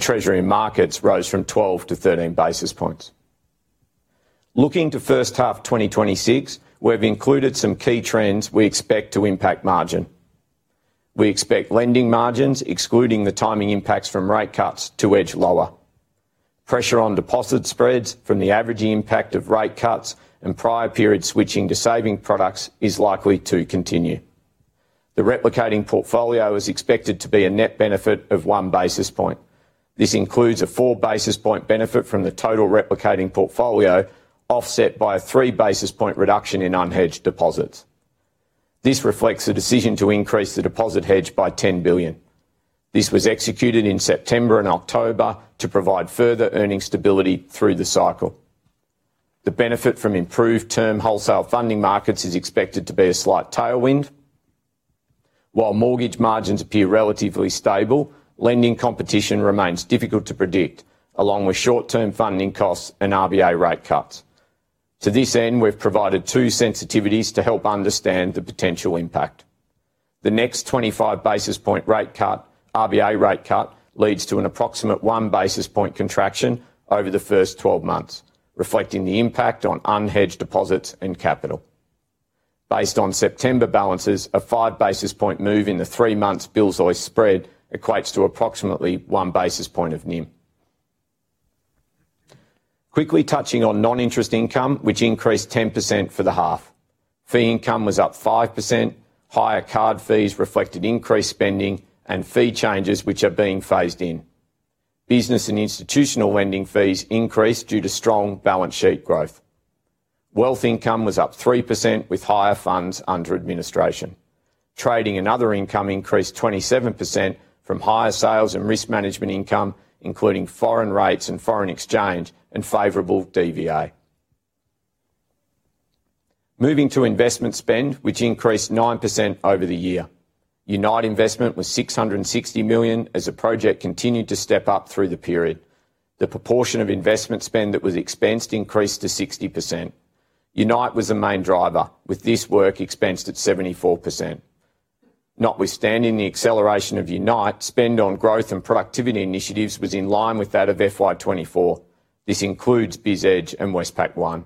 Treasury markets rose from 12 to 13 basis points. Looking to first half 2026, we've included some key trends we expect to impact margin. We expect lending margins, excluding the timing impacts from rate cuts, to edge lower. Pressure on deposit spreads from the average impact of rate cuts and prior period switching to saving products is likely to continue. The replicating portfolio is expected to be a net benefit of one basis point. This includes a four basis point benefit from the total replicating portfolio, offset by a three basis point reduction in unhedged deposits. This reflects a decision to increase the deposit hedge by 10 billion. This was executed in September and October to provide further earnings stability through the cycle. The benefit from improved term wholesale funding markets is expected to be a slight tailwind. While mortgage margins appear relatively stable, lending competition remains difficult to predict, along with short-term funding costs and RBA rate cuts. To this end, we've provided two sensitivities to help understand the potential impact. The next 25 basis point rate cut, RBA rate cut, leads to an approximate one basis point contraction over the first 12 months, reflecting the impact on unhedged deposits and capital. Based on September balances, a five basis point move in the three-months Bill Swap rate equates to approximately one basis point of NIM. Quickly touching on non-interest income, which increased 10% for the half. Fee income was up 5%. Higher card fees reflected increased spending and fee changes, which are being phased in. Business and institutional lending fees increased due to strong balance sheet growth. Wealth income was up 3% with higher funds under administration. Trading and other income increased 27% from higher sales and risk management income, including foreign rates and foreign exchange, and favorable DVA. Moving to investment spend, which increased 9% over the year. UNITE investment was 660 million as the project continued to step up through the period. The proportion of investment spend that was expensed increased to 60%. UNITE was the main driver, with this work expensed at 74%. Notwithstanding the acceleration of UNITE, spend on growth and productivity initiatives was in line with that of FY 2024. This includes BizEdge and Westpac One.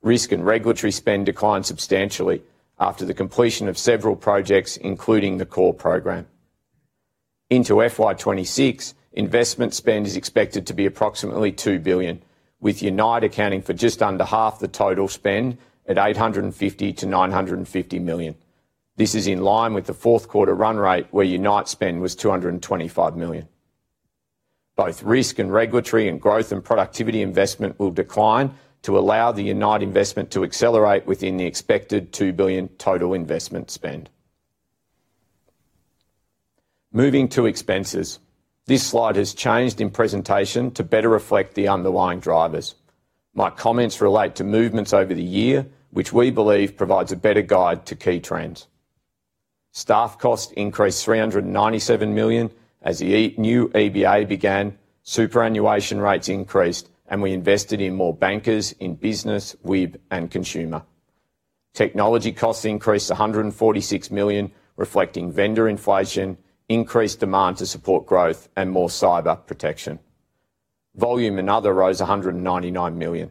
Risk and regulatory spend declined substantially after the completion of several projects, including the core program. Into FY 2026, investment spend is expected to be approximately 2 billion, with UNITE accounting for just under half the total spend at 850 million-950 million. This is in line with the fourth quarter run rate, where UNITE spend was 225 million. Both risk and regulatory and growth and productivity investment will decline to allow the UNITE investment to accelerate within the expected 2 billion total investment spend. Moving to expenses. This slide has changed in presentation to better reflect the underlying drivers. My comments relate to movements over the year, which we believe provides a better guide to key trends. Staff costs increased 397 million as the new EBA began, superannuation rates increased, and we invested in more bankers in business, WIB, and consumer. Technology costs increased 146 million, reflecting vendor inflation, increased demand to support growth, and more cyber protection. Volume and other rose 199 million.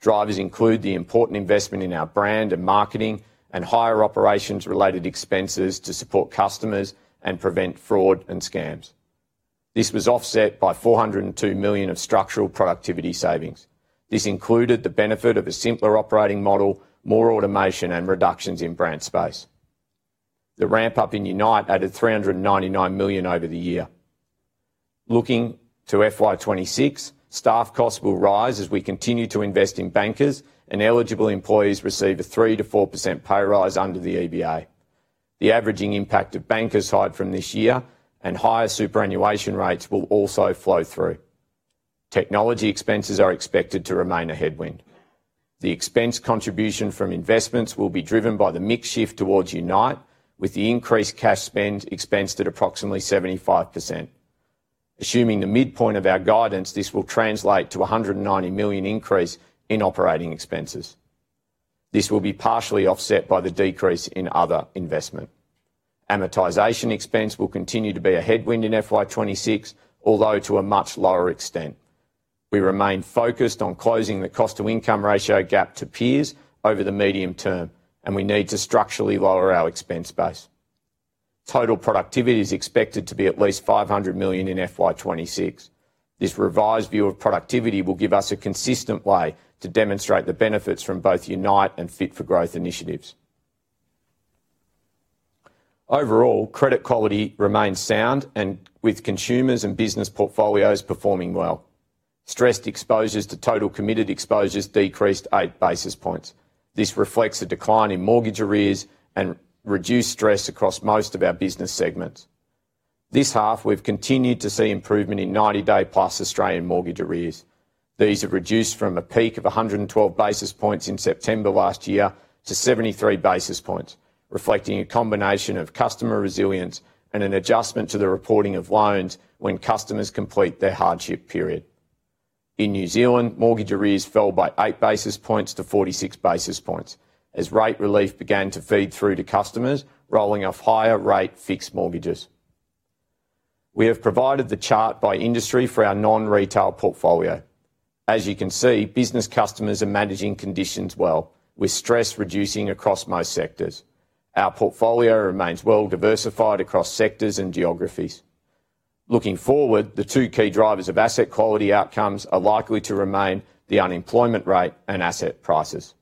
Drivers include the important investment in our brand and marketing and higher operations-related expenses to support customers and prevent fraud and scams. This was offset by 402 million of structural productivity savings. This included the benefit of a simpler operating model, more automation, and reductions in branch space. The ramp-up in UNITE added 399 million over the year. Looking to FY 2026, staff costs will rise as we continue to invest in bankers, and eligible employees receive a 3%-4% pay rise under the EBA. The averaging impact of bankers hired from this year, and higher superannuation rates will also flow through. Technology expenses are expected to remain a headwind. The expense contribution from investments will be driven by the mix shift towards UNITE, with the increased cash spend expensed at approximately 75%. Assuming the midpoint of our guidance, this will translate to a 190 million increase in operating expenses. This will be partially offset by the decrease in other investment. Amortization expense will continue to be a headwind in FY 2026, although to a much lower extent. We remain focused on closing the cost-to-income ratio gap to peers over the medium term, and we need to structurally lower our expense base. Total productivity is expected to be at least 500 million in FY 2026. This revised view of productivity will give us a consistent way to demonstrate the benefits from both UNITE and fit-for-growth initiatives. Overall, credit quality remains sound and with consumer and business portfolios performing well. Stressed exposures to total committed exposures decreased eight basis points. This reflects a decline in mortgage arrears and reduced stress across most of our business segments. This half, we have continued to see improvement in 90 day+ Australian mortgage arrears. These have reduced from a peak of 112 basis points in September last year to 73 basis points, reflecting a combination of customer resilience and an adjustment to the reporting of loans when customers complete their hardship period. In New Zealand, mortgage arrears fell by eight basis points to 46 basis points as rate relief began to feed through to customers, rolling off higher-rate fixed mortgages. We have provided the chart by industry for our non-retail portfolio. As you can see, business customers are managing conditions well, with stress reducing across most sectors. Our portfolio remains well diversified across sectors and geographies. Looking forward, the two key drivers of asset quality outcomes are likely to remain the unemployment rate and asset prices.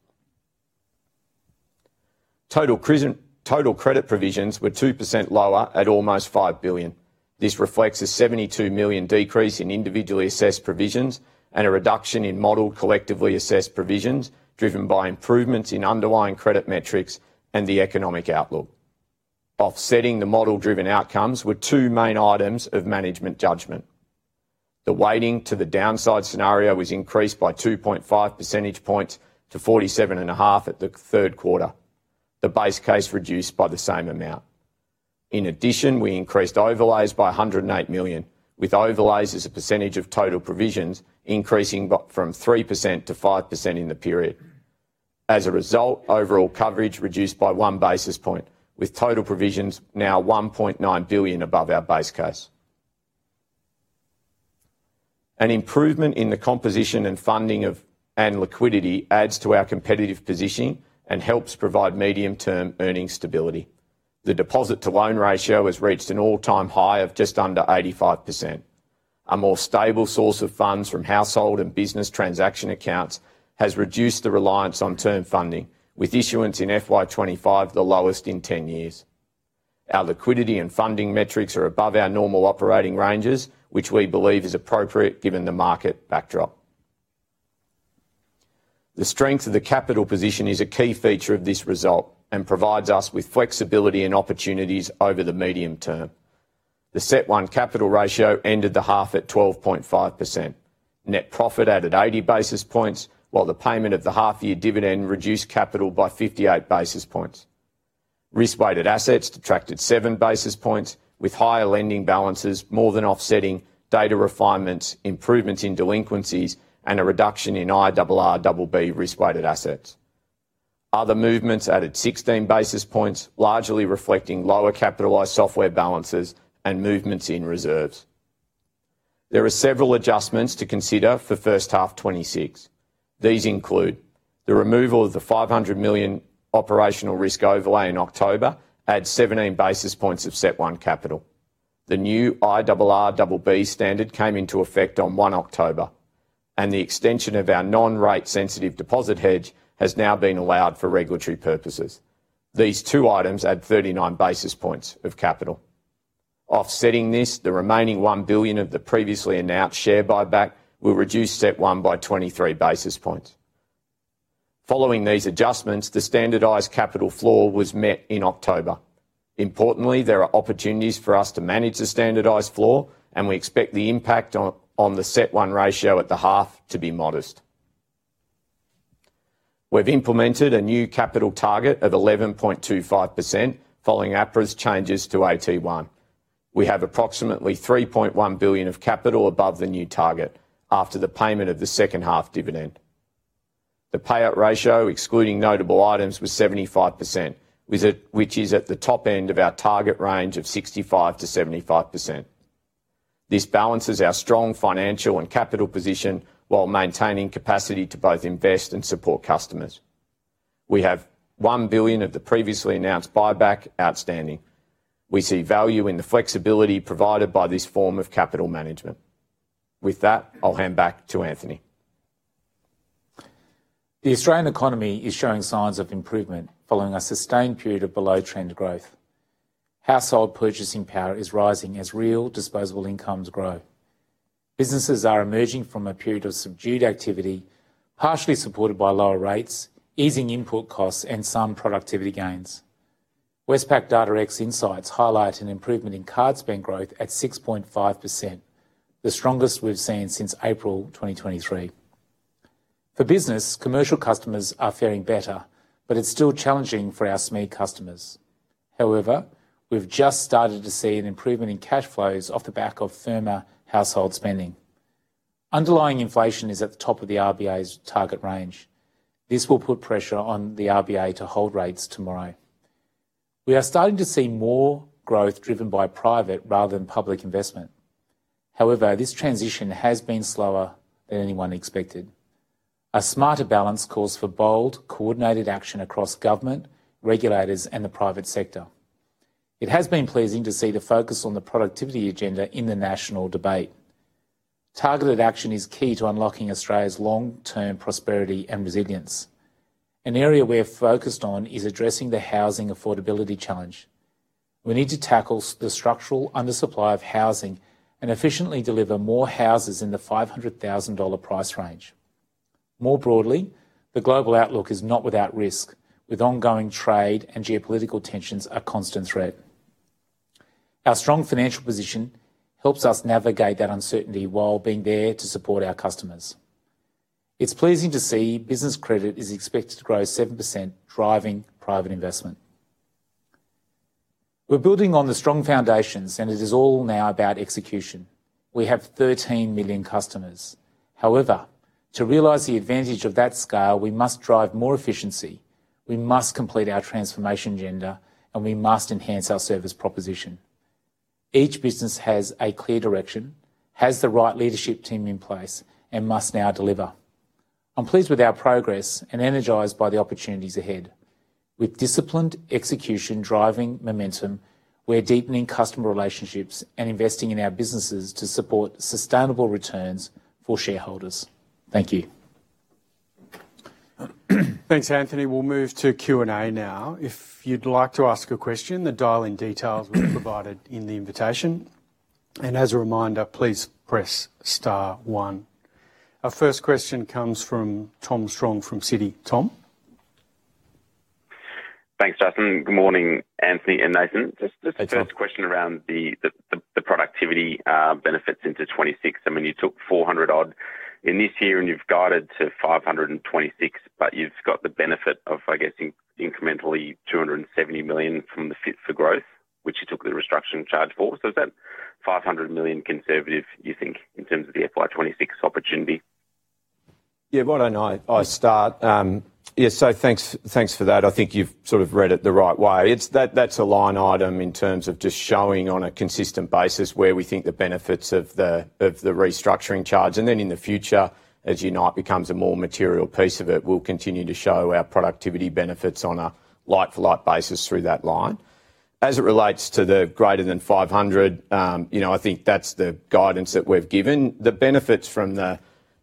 Total credit provisions were 2% lower at almost 5 billion. This reflects a 72 million decrease in individually assessed provisions and a reduction in modeled collectively assessed provisions driven by improvements in underlying credit metrics and the economic outlook. Offsetting the model-driven outcomes were two main items of management judgment. The weighting to the downside scenario was increased by 2.5 percentage points to 47.5% at the third quarter. The base case reduced by the same amount. In addition, we increased overlays by 108 million, with overlays as a percentage of total provisions increasing from 3%-5% in the period. As a result, overall coverage reduced by one basis point, with total provisions now 1.9 billion above our base case. An improvement in the composition and funding of liquidity adds to our competitive positioning and helps provide medium-term earnings stability. The deposit-to-loan ratio has reached an all-time high of just under 85%. A more stable source of funds from household and business transaction accounts has reduced the reliance on term funding, with issuance in FY 2025 the lowest in 10 years. Our liquidity and funding metrics are above our normal operating ranges, which we believe is appropriate given the market backdrop. The strength of the capital position is a key feature of this result and provides us with flexibility and opportunities over the medium term. The set-one capital ratio ended the half at 12.5%. Net profit added 80 basis points, while the payment of the half-year dividend reduced capital by 58 basis points. Risk-weighted assets detracted seven basis points, with higher lending balances more than offsetting data refinements, improvements in delinquencies, and a reduction in IRRBB risk-weighted assets. Other movements added 16 basis points, largely reflecting lower capitalized software balances and movements in reserves. There are several adjustments to consider for first half 2026. These include the removal of the 500 million operational risk overlay in October adds 17 basis points of set-one capital. The new IRRBB standard came into effect on 1 October, and the extension of our non-rate-sensitive deposit hedge has now been allowed for regulatory purposes. These two items add 39 basis points of capital. Offsetting this, the remaining 1 billion of the previously announced share buyback will reduce set-one by 23 basis points. Following these adjustments, the standardized capital floor was met in October. Importantly, there are opportunities for us to manage the standardized floor, and we expect the impact on the set-one ratio at the half to be modest. We've implemented a new capital target of 11.25% following APRA's changes to AT1. We have approximately 3.1 billion of capital above the new target after the payment of the second half dividend. The payout ratio, excluding notable items, was 75%, which is at the top end of our target range of 65%-75%. This balances our strong financial and capital position while maintaining capacity to both invest and support customers. We have 1 billion of the previously announced buyback outstanding. We see value in the flexibility provided by this form of capital management. With that, I'll hand back to Anthony. The Australian economy is showing signs of improvement following a sustained period of below-trend growth. Household purchasing power is rising as real disposable incomes grow. Businesses are emerging from a period of subdued activity, partially supported by lower rates, easing input costs, and some productivity gains. Westpac DataX Insights highlight an improvement in card spend growth at 6.5%, the strongest we've seen since April 2023. For business, commercial customers are faring better, but it's still challenging for our SME customers. However, we've just started to see an improvement in cash flows off the back of firmer household spending. Underlying inflation is at the top of the RBA's target range. This will put pressure on the RBA to hold rates tomorrow. We are starting to see more growth driven by private rather than public investment. However, this transition has been slower than anyone expected. A smarter balance calls for bold, coordinated action across government, regulators, and the private sector. It has been pleasing to see the focus on the productivity agenda in the national debate. Targeted action is key to unlocking Australia's long-term prosperity and resilience. An area we're focused on is addressing the housing affordability challenge. We need to tackle the structural undersupply of housing and efficiently deliver more houses in the 500,000 dollar price range. More broadly, the global outlook is not without risk, with ongoing trade and geopolitical tensions a constant threat. Our strong financial position helps us navigate that uncertainty while being there to support our customers. It's pleasing to see business credit is expected to grow 7%, driving private investment. We're building on the strong foundations, and it is all now about execution. We have 13 million customers. However, to realize the advantage of that scale, we must drive more efficiency, we must complete our transformation agenda, and we must enhance our service proposition. Each business has a clear direction, has the right leadership team in place, and must now deliver. I'm pleased with our progress and energized by the opportunities ahead. With disciplined execution driving momentum, we're deepening customer relationships and investing in our businesses to support sustainable returns for shareholders. Thank you. Thanks, Anthony. We'll move to Q&A now. If you'd like to ask a question, the dial-in details were provided in the invitation. As a reminder, please press star one. Our first question comes from Tom Strong from Citi. Tom. Thanks, Justin. Good morning, Anthony and Nathan. Just a question around the productivity benefits into 2026. I mean, you took 400-odd in this year and you've guided to 526, but you've got the benefit of, I guess, incrementally 270 million from the fit-for-growth, which you took the restructuring charge for. Is that 500 million conservative, you think, in terms of the fiscal year 2026 opportunity? Yeah, why don't I start? Yeah, so thanks for that. I think you've sort of read it the right way. That's a line item in terms of just showing on a consistent basis where we think the benefits of the restructuring charge. And then in the future, as UNITE becomes a more material piece of it, we'll continue to show our productivity benefits on a like-for-like basis through that line. As it relates to the greater than 500, you know, I think that's the guidance that we've given. The benefits from the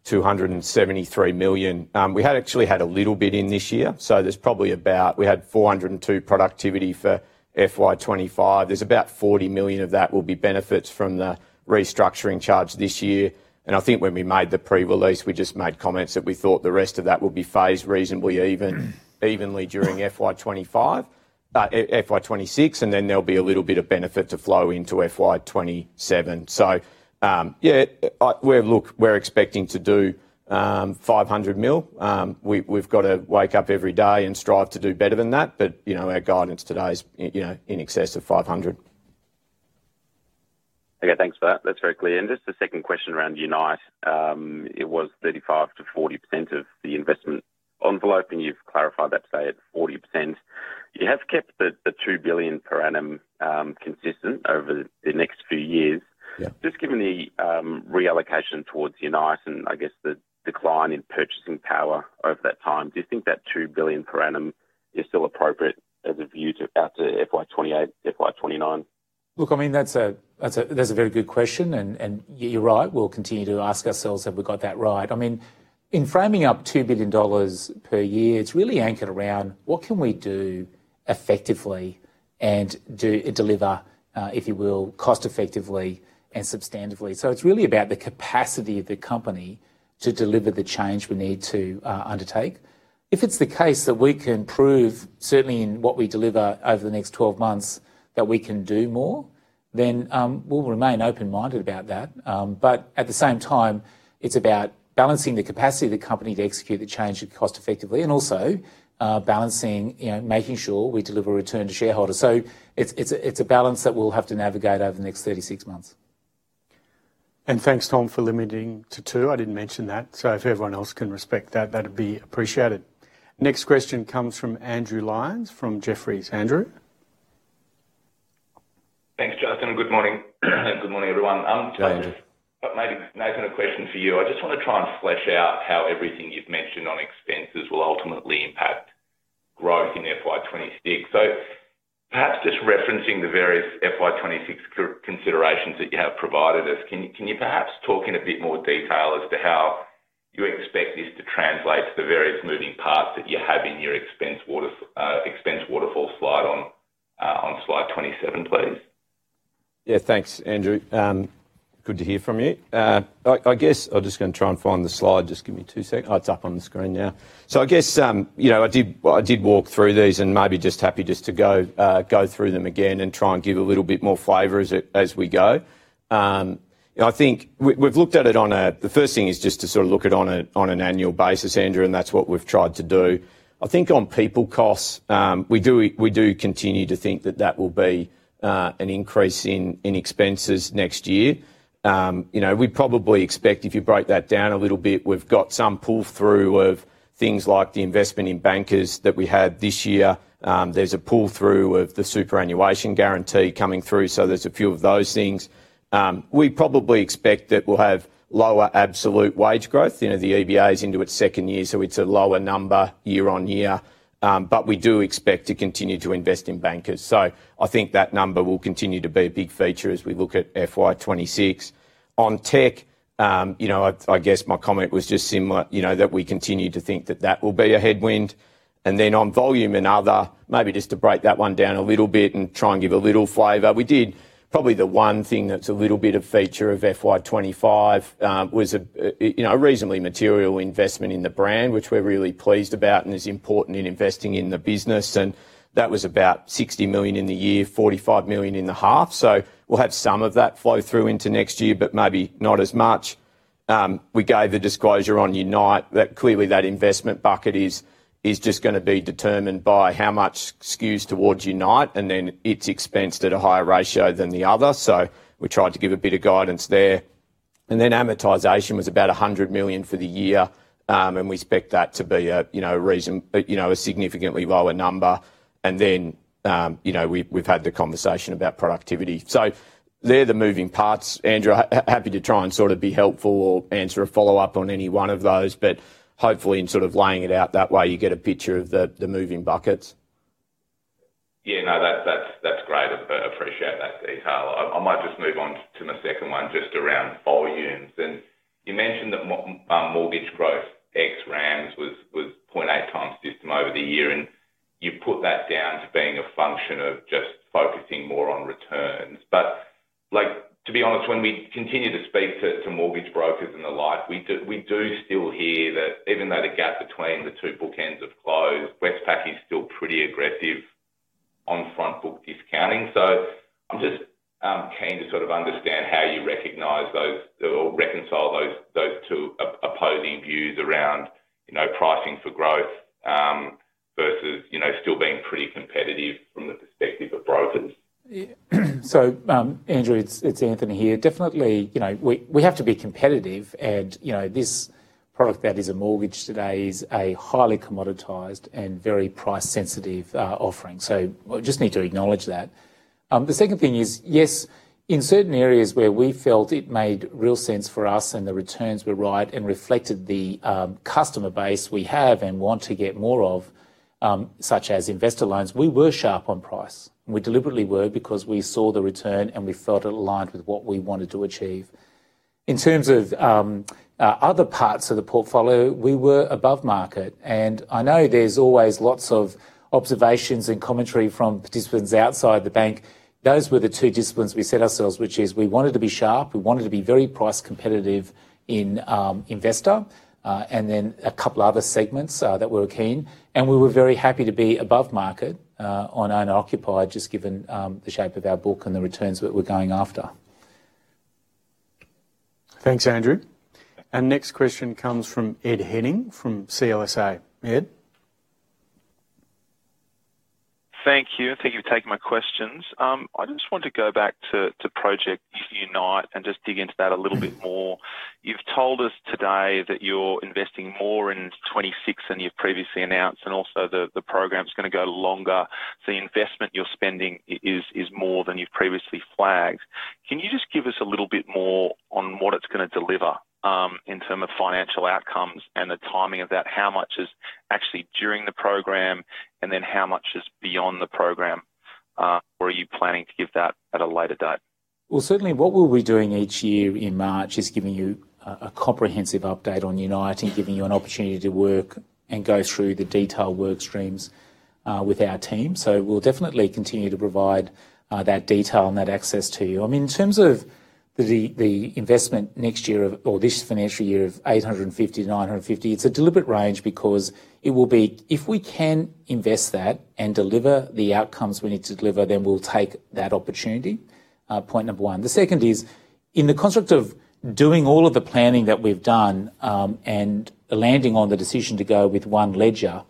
273 million, we had actually had a little bit in this year. So there's probably about, we had 402 productivity for FY 2025. There's about 40 million of that will be benefits from the restructuring charge this year. I think when we made the pre-release, we just made comments that we thought the rest of that will be phased reasonably evenly during FY 2026, and then there'll be a little bit of benefit to flow into FY 2027. Yeah, we're expecting to do 500 million. We've got to wake up every day and strive to do better than that, but you know, our guidance today is in excess of 500 million. Okay, thanks for that. That is very clear. Just a second question around UNITE. It was 35%-40% of the investment envelope, and you have clarified that today at 40%. You have kept the 2 billion per annum consistent over the next few years. Just given the reallocation towards UNITE and, I guess, the decline in purchasing power over that time, do you think that 2 billion per annum is still appropriate as a view to FY 2028, FY 2029? Look, I mean, that's a very good question, and you're right. We'll continue to ask ourselves, have we got that right? I mean, in framing up 2 billion dollars per year, it's really anchored around what can we do effectively and deliver, if you will, cost-effectively and substantively. It is really about the capacity of the company to deliver the change we need to undertake. If it's the case that we can prove certainly in what we deliver over the next 12 months that we can do more, then we'll remain open-minded about that. At the same time, it's about balancing the capacity of the company to execute the change cost-effectively and also balancing, making sure we deliver a return to shareholders. It is a balance that we'll have to navigate over the next 36 months. Thanks, Tom, for limiting to two. I did not mention that. If everyone else can respect that, that would be appreciated. Next question comes from Andrew Lyons from Jefferies. Andrew. Thanks, Justin. Good morning. Good morning, everyone. Nathan, a question for you. I just want to try and flesh out how everything you've mentioned on expenses will ultimately impact growth in FY 2026. So perhaps just referencing the various FY 2026 considerations that you have provided us, can you perhaps talk in a bit more detail as to how you expect this to translate to the various moving parts that you have in your expense waterfall slide on slide 27, please. Yeah, thanks, Andrew. Good to hear from you. I guess I'm just going to try and find the slide. Just give me two seconds. Oh, it's up on the screen now. I guess, you know, I did walk through these and maybe just happy just to go through them again and try and give a little bit more flavor as we go. I think we've looked at it on a, the first thing is just to sort of look at it on an annual basis, Andrew, and that's what we've tried to do. I think on people costs, we do continue to think that that will be an increase in expenses next year. You know, we probably expect if you break that down a little bit, we've got some pull-through of things like the investment in bankers that we had this year. There's a pull-through of the superannuation guarantee coming through. So there's a few of those things. We probably expect that we'll have lower absolute wage growth. You know, the EBA is into its second year, so it's a lower number year on year. But we do expect to continue to invest in bankers. I think that number will continue to be a big feature as we look at FY 2026. On tech, you know, I guess my comment was just similar, you know, that we continue to think that that will be a headwind. On volume and other, maybe just to break that one down a little bit and try and give a little flavor, we did probably the one thing that's a little bit of feature of FY 2025 was a, you know, a reasonably material investment in the brand, which we're really pleased about and is important in investing in the business. That was about 60 million in the year, 45 million in the half. We'll have some of that flow through into next year, but maybe not as much. We gave the disclosure on UNITE that clearly that investment bucket is just going to be determined by how much skews towards UNITE and then it's expensed at a higher ratio than the other. We tried to give a bit of guidance there. Amortization was about 100 million for the year. We expect that to be a, you know, a significantly lower number. You know, we've had the conversation about productivity. They're the moving parts. Andrew, happy to try and sort of be helpful or answer a follow-up on any one of those, but hopefully in sort of laying it out that way, you get a picture of the moving buckets. Yeah, no, that's great. I appreciate that detail. I might just move on to my second one just around volumes. You mentioned that mortgage growth, ex-RAMS, was 0.8x system over the year. You put that down to being a function of just focusing more on returns. To be honest, when we continue to speak to mortgage brokers and the like, we do still hear that even though the gap between the two bookends has closed, Westpac is still pretty aggressive on front book discounting. I'm just keen to sort of understand how you recognize those or reconcile those two opposing views around, you know, pricing for growth versus, you know, still being pretty competitive from the perspective of brokers. Yeah. So, Andrew, it's Anthony here. Definitely, you know, we have to be competitive. And, you know, this product that is a mortgage today is a highly commoditized and very price-sensitive offering. We just need to acknowledge that. The second thing is, yes, in certain areas where we felt it made real sense for us and the returns were right and reflected the customer base we have and want to get more of. Such as investor loans, we were sharp on price. We deliberately were because we saw the return and we felt it aligned with what we wanted to achieve. In terms of other parts of the portfolio, we were above market. I know there's always lots of observations and commentary from participants outside the bank. Those were the two disciplines we set ourselves, which is we wanted to be sharp. We wanted to be very price competitive in investor. And then a couple of other segments that we were keen. We were very happy to be above market on owner-occupied, just given the shape of our book and the returns that we're going after. Thanks, Andrew. Next question comes from Ed Henning from CLSA. Ed. Thank you. Thank you for taking my questions. I just want to go back to Project UNITE and just dig into that a little bit more. You've told us today that you're investing more in 2026 than you've previously announced, and also the program is going to go longer. The investment you're spending is more than you've previously flagged. Can you just give us a little bit more on what it's going to deliver in terms of financial outcomes and the timing of that? How much is actually during the program and then how much is beyond the program? Or are you planning to give that at a later date? Certainly what we'll be doing each year in March is giving you a comprehensive update on UNITE and giving you an opportunity to work and go through the detailed work streams with our team. We'll definitely continue to provide that detail and that access to you. I mean, in terms of the investment next year or this financial year of 850 million-950 million, it's a deliberate range because it will be, if we can invest that and deliver the outcomes we need to deliver, then we'll take that opportunity. Point number one. The second is in the construct of doing all of the planning that we've done and landing on the decision to go with One Ledger,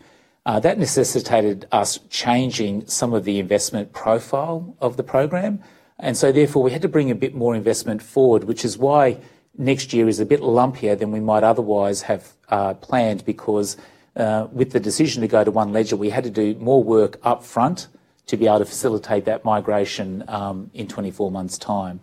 that necessitated us changing some of the investment profile of the program. Therefore, we had to bring a bit more investment forward, which is why next year is a bit lumpier than we might otherwise have planned because with the decision to go to One Ledger, we had to do more work upfront to be able to facilitate that migration in 24 months' time.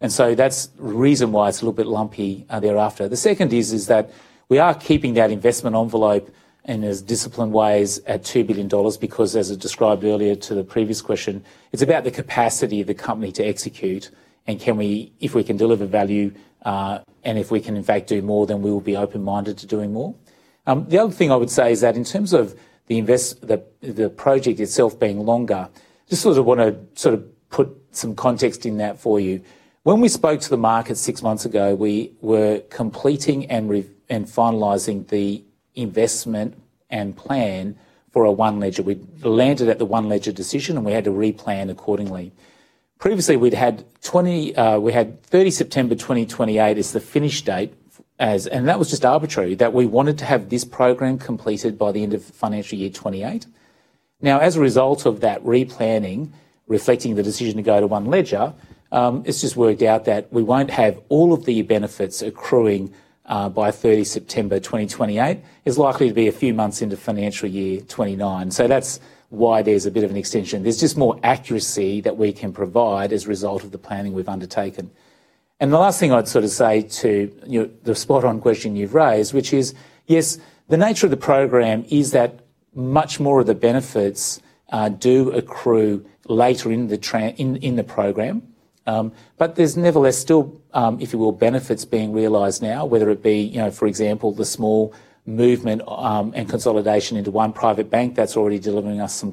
That's the reason why it's a little bit lumpy thereafter. The second is that we are keeping that investment envelope in as disciplined ways at 2 billion dollars because, as I described earlier to the previous question, it's about the capacity of the company to execute. If we can deliver value, and if we can in fact do more, then we will be open-minded to doing more. The other thing I would say is that in terms of the project itself being longer, just sort of want to sort of put some context in that for you. When we spoke to the market six months ago, we were completing and finalizing the investment and plan for a One Ledger. We landed at the One Ledger decision and we had to replan accordingly. Previously, we'd had 30 September 2028 as the finish date, and that was just arbitrary, that we wanted to have this program completed by the end of financial year 2028. Now, as a result of that replanning, reflecting the decision to go to One Ledger, it's just worked out that we won't have all of the benefits accruing by 30 September 2028. It's likely to be a few months into financial year 2029. That's why there's a bit of an extension. There's just more accuracy that we can provide as a result of the planning we've undertaken. The last thing I'd sort of say to the spot-on question you've raised, which is, yes, the nature of the program is that much more of the benefits do accrue later in the program. There's nevertheless still, if you will, benefits being realized now, whether it be, you know, for example, the small movement and consolidation into one private bank that's already delivering us some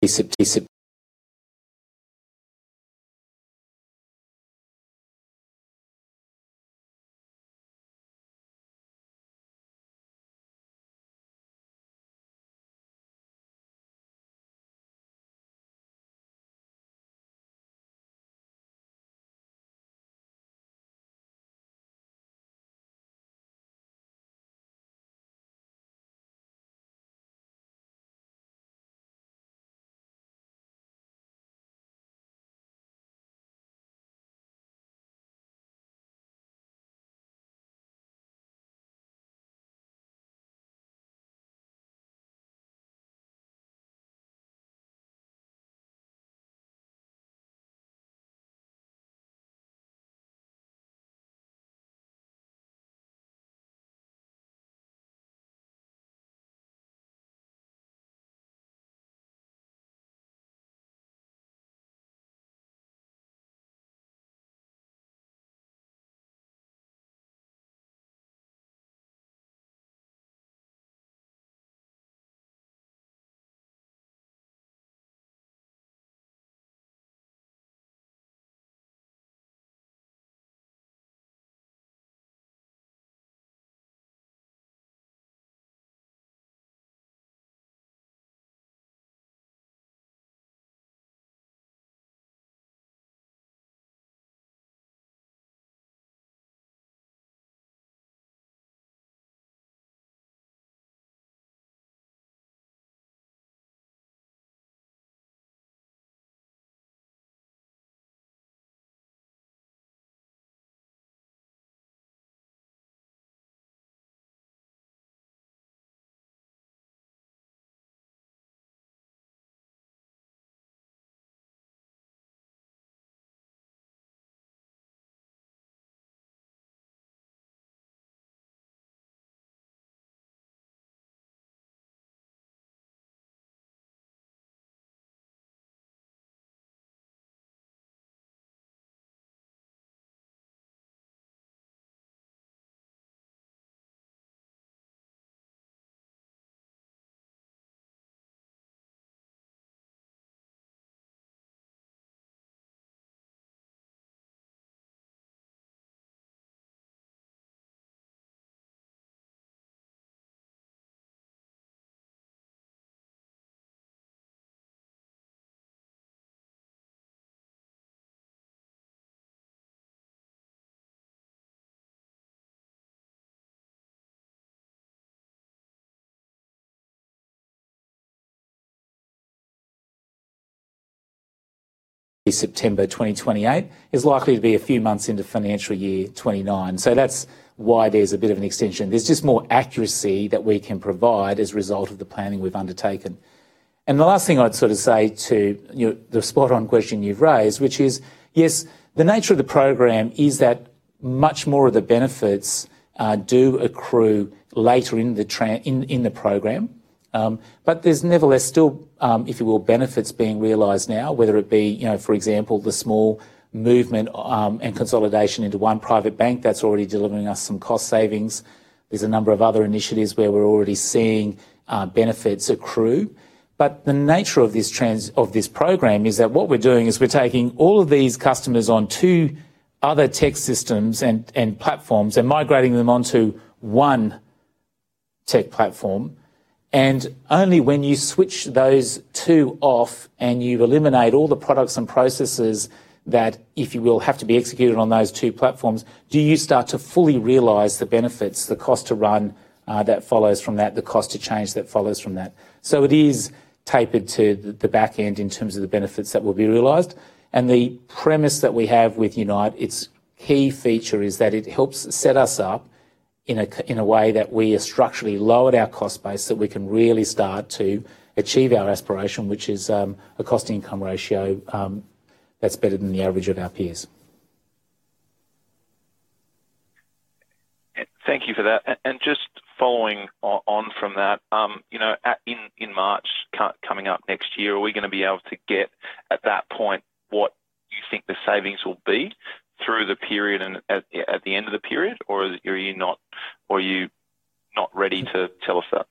cost. September 2028 is likely to be a few months into financial year 2029. That is why there is a bit of an extension. There is just more accuracy that we can provide as a result of the planning we have undertaken. The last thing I would sort of say to the spot-on question you have raised, which is, yes, the nature of the program is that much more of the benefits do accrue later in the program. There is nevertheless still, if you will, benefits being realized now, whether it be, you know, for example, the small movement and consolidation into one private bank that is already delivering us some cost savings. There are a number of other initiatives where we are already seeing benefits accrue. The nature of this program is that what we are doing is we are taking all of these customers on two other tech systems and platforms and migrating them onto one tech platform. Only when you switch those two off and you eliminate all the products and processes that, if you will, have to be executed on those two platforms, do you start to fully realize the benefits, the cost to run that follows from that, the cost to change that follows from that. It is tapered to the back end in terms of the benefits that will be realized. The premise that we have with UNITE, its key feature is that it helps set us up in a way that we have structurally lowered our cost base so that we can really start to achieve our aspiration, which is a cost-to-income ratio that is better than the average of our peers. Thank you for that. Just following on from that, you know, in March coming up next year, are we going to be able to get at that point what you think the savings will be through the period and at the end of the period? Or are you not, are you not ready to tell us that?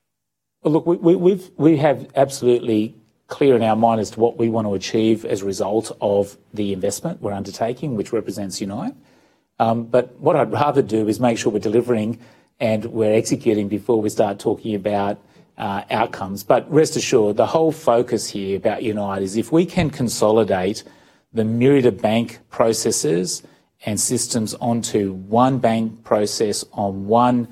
Look, we have absolutely clear in our mind as to what we want to achieve as a result of the investment we're undertaking, which represents UNITE. What I'd rather do is make sure we're delivering and we're executing before we start talking about outcomes. Rest assured, the whole focus here about UNITE is if we can consolidate the myriad of bank processes and systems onto one bank process on one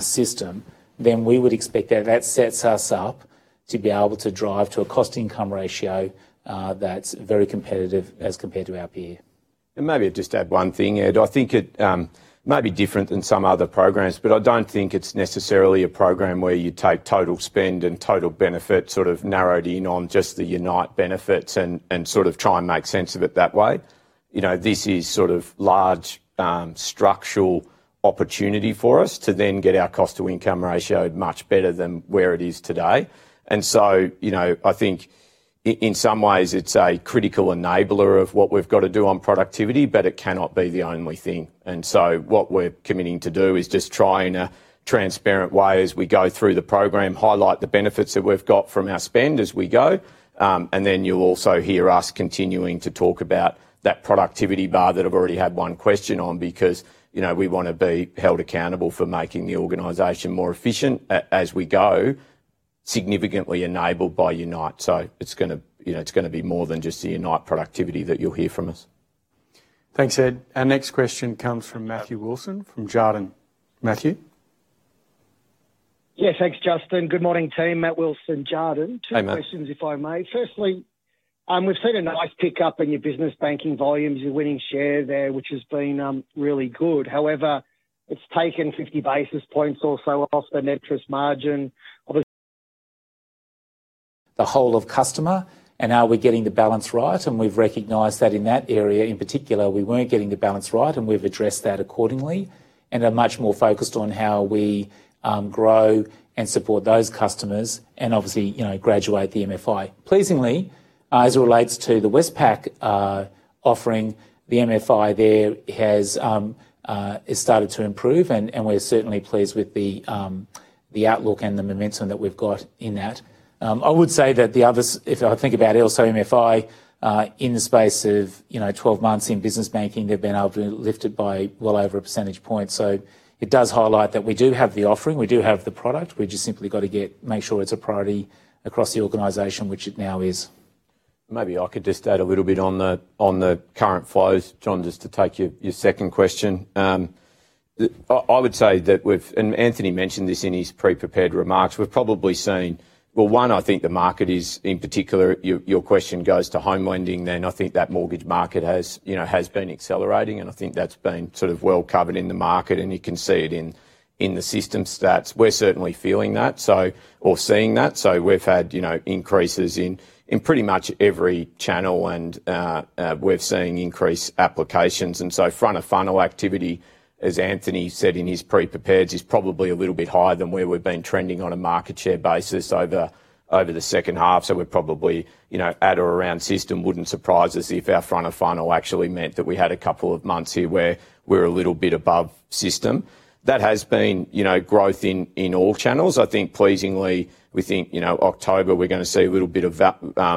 system, then we would expect that that sets us up to be able to drive to a cost-to-income ratio that's very competitive as compared to our peer. Maybe just add one thing here. I think it might be different than some other programs, but I do not think it is necessarily a program where you take total spend and total benefit sort of narrowed in on just the UNITE benefits and sort of try and make sense of it that way. You know, this is sort of large. Structural opportunity for us to then get our cost-to-income ratio much better than where it is today. You know, I think in some ways it is a critical enabler of what we have got to do on productivity, but it cannot be the only thing. What we are committing to do is just try in a transparent way as we go through the program, highlight the benefits that we have got from our spend as we go. You will also hear us continuing to talk about that productivity bar that I have already had one question on because, you know, we want to be held accountable for making the organization more efficient as we go, significantly enabled by UNITE. It is going to be more than just the UNITE productivity that you will hear from us. Thanks, Ed. Our next question comes from Matthew Wilson from Jarden. Matthew. Yes, thanks, Justin. Good morning, team. Matt Wilson, Jarden. Two questions, if I may. Firstly, we've seen a nice pickup in your business banking volumes, you're winning share there, which has been really good. However, it's taken 50 basis points or so off the net interest margin. The whole of customer and how we're getting the balance right. We've recognized that in that area in particular, we weren't getting the balance right, and we've addressed that accordingly and are much more focused on how we grow and support those customers and obviously, you know, graduate the MFI. Pleasingly, as it relates to the Westpac offering, the MFI there has started to improve, and we're certainly pleased with the outlook and the momentum that we've got in that. I would say that the others, if I think about it, also MFI in the space of, you know, 12 months in business banking, they've been able to lift it by well over a percentage point. It does highlight that we do have the offering, we do have the product, we just simply got to make sure it's a priority across the organization, which it now is. Maybe I could just add a little bit on the current flows, John, just to take your second question. I would say that we've, and Anthony mentioned this in his pre-prepared remarks, we've probably seen, well, one, I think the market is in particular, your question goes to home lending, then I think that mortgage market has, you know, has been accelerating, and I think that's been sort of well covered in the market, and you can see it in the system stats. We're certainly feeling that, or seeing that. We've had increases in pretty much every channel. We've seen increased applications. Front of funnel activity, as Anthony said in his pre-prepared, is probably a little bit higher than where we've been trending on a market share basis over the second half. We're probably at or around system. It wouldn't surprise us if our front of funnel actually meant that we had a couple of months here where we're a little bit above system. That has been growth in all channels. Pleasingly, we think October we're going to see a little bit of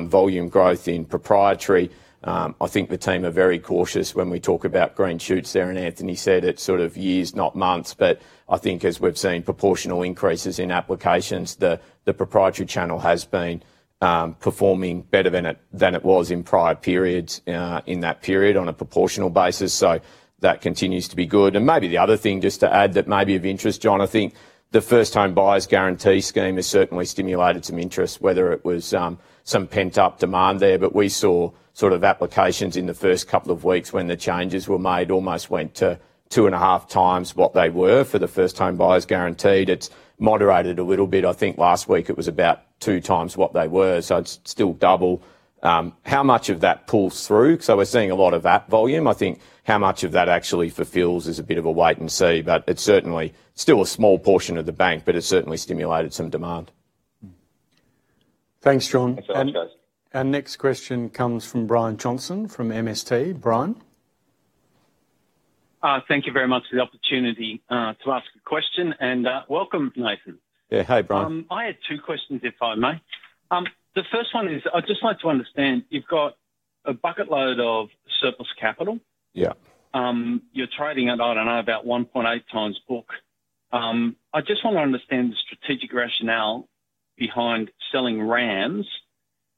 volume growth in proprietary. The team are very cautious when we talk about green shoots there, and Anthony said it, sort of years, not months, but as we've seen proportional increases in applications, the proprietary channel has been performing better than it was in prior periods in that period on a proportional basis. That continues to be good. Maybe the other thing just to add that may be of interest, John, I think the first home buyers guarantee scheme has certainly stimulated some interest, whether it was some pent-up demand there, but we saw applications in the first couple of weeks when the changes were made almost went to two and a half times what they were for the first home buyers guarantee. It's moderated a little bit. Last week it was about two times what they were, so it's still double. How much of that pulls through? We're seeing a lot of that volume. How much of that actually fulfills is a bit of a wait and see, but it's certainly still a small portion of the bank, but it's certainly stimulated some demand. Thanks, John. Our next question comes from Brian Johnson from MST. Brian. Thank you very much for the opportunity to ask a question, and welcome, Nathan. Yeah, hey, Brian. I had two questions, if I may. The first one is, I'd just like to understand, you've got a bucket load of surplus capital. Yeah. You're trading at, I don't know, about 1.8x book. I just want to understand the strategic rationale behind selling RAMS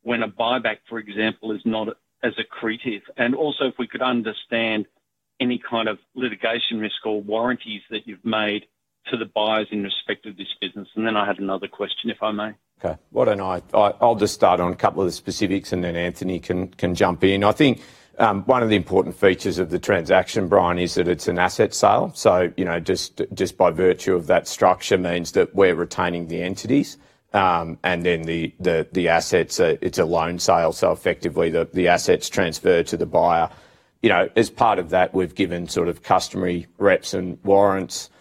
when a buyback, for example, is not as accretive. If we could understand any kind of litigation risk or warranties that you've made to the buyers in respect of this business. I had another question, if I may. Okay. Why don't I? I'll just start on a couple of the specifics, and then Anthony can jump in. I think one of the important features of the transaction, Brian, is that it's an asset sale. So, you know, just by virtue of that structure means that we're retaining the entities. And then the assets, it's a loan sale, so effectively the assets transfer to the buyer. You know, as part of that, we've given sort of customary reps and warrants,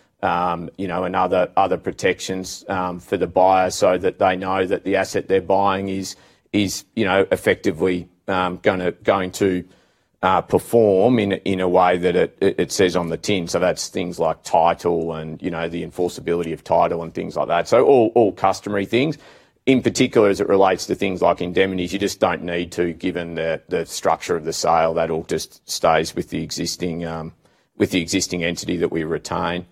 you know, and other protections for the buyer so that they know that the asset they're buying is, you know, effectively going to perform in a way that it says on the tin. That's things like title and, you know, the enforceability of title and things like that. All customary things. In particular, as it relates to things like indemnities, you just don't need to, given the structure of the sale, that all just stays with the existing entity that we retain.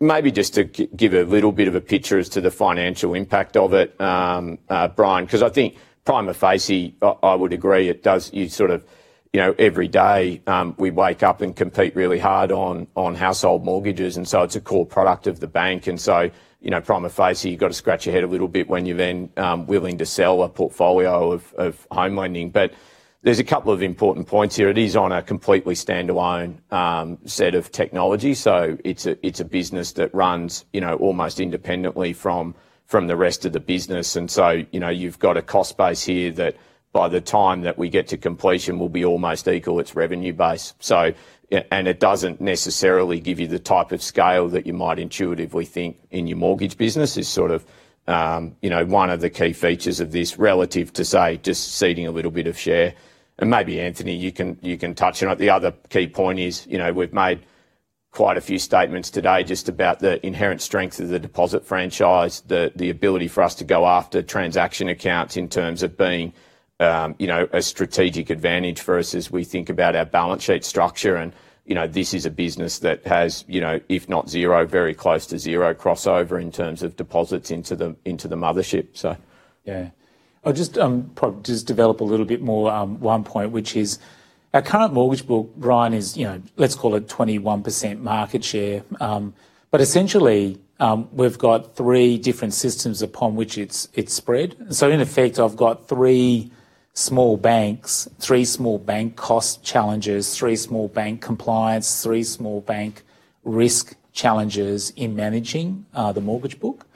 Maybe just to give a little bit of a picture as to the financial impact of it, Brian, because I think prima facie, I would agree, it does, you sort of, you know, every day we wake up and compete really hard on household mortgages, and it's a core product of the bank. And so, you know, prima facie, you've got to scratch your head a little bit when you're then willing to sell a portfolio of home lending. There's a couple of important points here. It is on a completely standalone set of technology. It's a business that runs, you know, almost independently from the rest of the business. And so, you know, you've got a cost base here that by the time that we get to completion, will be almost equal, it's revenue based. It doesn't necessarily give you the type of scale that you might intuitively think in your mortgage business is sort of, you know, one of the key features of this relative to, say, just seeding a little bit of share. Maybe Anthony, you can touch on it. The other key point is, you know, we've made quite a few statements today just about the inherent strength of the deposit franchise, the ability for us to go after transaction accounts in terms of being, you know, a strategic advantage for us as we think about our balance sheet structure. This is a business that has, you know, if not zero, very close to zero crossover in terms of deposits into the mothership. Yeah. I'll just probably just develop a little bit more one point, which is our current mortgage book, Brian, is, you know, let's call it 21% market share. Essentially, we've got three different systems upon which it's spread. In effect, I've got three small banks, three small bank cost challenges, three small bank compliance, three small bank risk challenges in managing the mortgage book.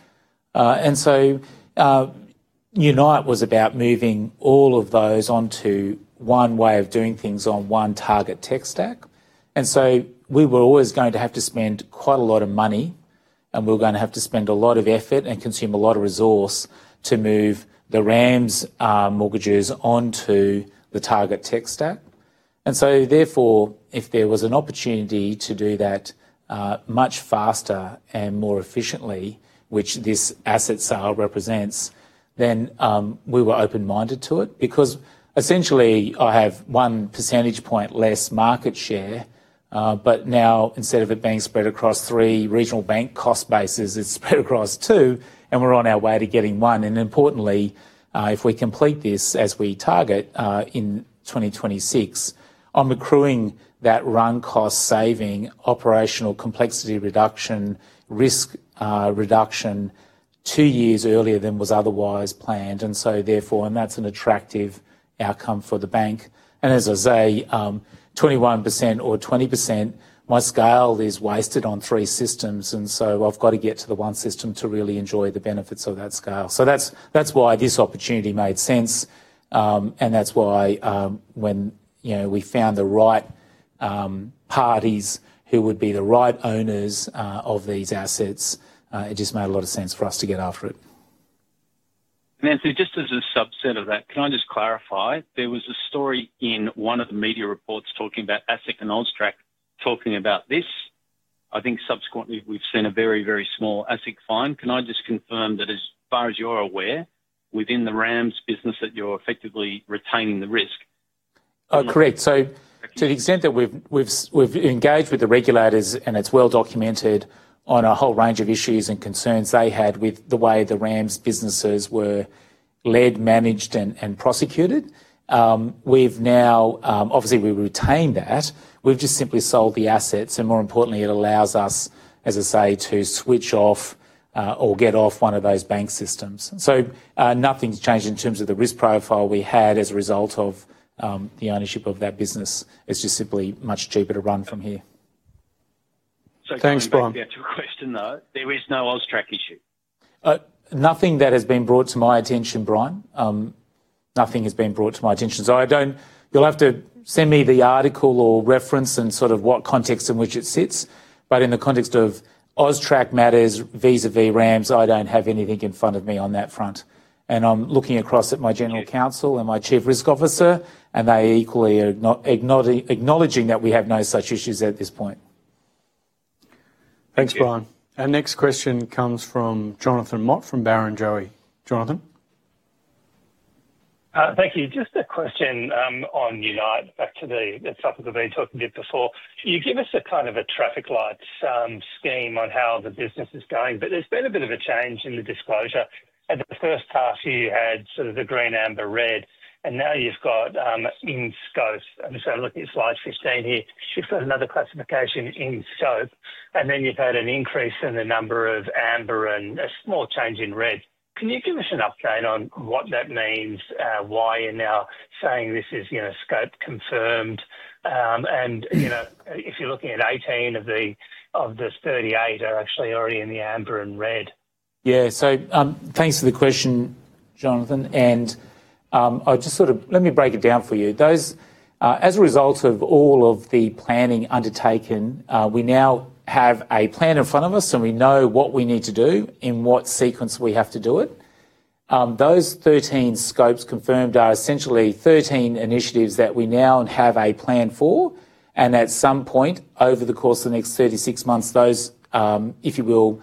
UNITE was about moving all of those onto one way of doing things on one target tech stack. We were always going to have to spend quite a lot of money, and we're going to have to spend a lot of effort and consume a lot of resource to move the RAMS mortgages onto the target tech stack. Therefore, if there was an opportunity to do that much faster and more efficiently, which this asset sale represents, then we were open-minded to it because essentially I have one percentage point less market share. Now, instead of it being spread across three regional bank cost bases, it's spread across two, and we're on our way to getting one. Importantly, if we complete this as we target in 2026, I'm accruing that run cost saving, operational complexity reduction, risk reduction two years earlier than was otherwise planned. Therefore, that's an attractive outcome for the bank. As I say, 21% or 20%, my scale is wasted on three systems. I've got to get to the one system to really enjoy the benefits of that scale. That's why this opportunity made sense. That's why when, you know, we found the right parties who would be the right owners of these assets, it just made a lot of sense for us to get after it. Nathan, just as a subset of that, can I just clarify? There was a story in one of the media reports talking about ASIC and AUSTRAC talking about this. I think subsequently we've seen a very, very small ASIC fine. Can I just confirm that as far as you're aware, within the RAMS business that you're effectively retaining the risk? Correct. To the extent that we've engaged with the regulators and it's well documented on a whole range of issues and concerns they had with the way the RAMS businesses were led, managed, and prosecuted. We've now, obviously, we retained that. We've just simply sold the assets. More importantly, it allows us, as I say, to switch off or get off one of those bank systems. Nothing's changed in terms of the risk profile we had as a result of the ownership of that business. It's just simply much cheaper to run from here. Thanks, Brian. Can I just add to a question though? There is no AUSTRAC issue. Nothing that has been brought to my attention, Brian. Nothing has been brought to my attention. I do not, you'll have to send me the article or reference and sort of what context in which it sits. In the context of AUSTRAC matters vis-à-vis RAMS, I do not have anything in front of me on that front. I am looking across at my General Counsel and my Chief Risk Officer, and they equally are acknowledging that we have no such issues at this point. Thanks, Brian. Our next question comes from Jonathan Mott from Barrenjoey. Jonathan. Thank you. Just a question on UNITE, back to the stuff that we've been talking about before. Can you give us a kind of a traffic light scheme on how the business is going? There has been a bit of a change in the disclosure. At the first half, you had sort of the green, amber, red, and now you have got in scope. If you look at slide 15 here, you have got another classification, in scope. You have had an increase in the number of amber and a small change in red. Can you give us an update on what that means, why you are now saying this is, you know, scope confirmed? And, you know, if you are looking at 18 of the 38 are actually already in the amber and red. Yeah. Thanks for the question, Jonathan. I just sort of, let me break it down for you. Those, as a result of all of the planning undertaken, we now have a plan in front of us, and we know what we need to do in what sequence we have to do it. Those 13 scopes confirmed are essentially 13 initiatives that we now have a plan for. At some point over the course of the next 36 months, those, if you will,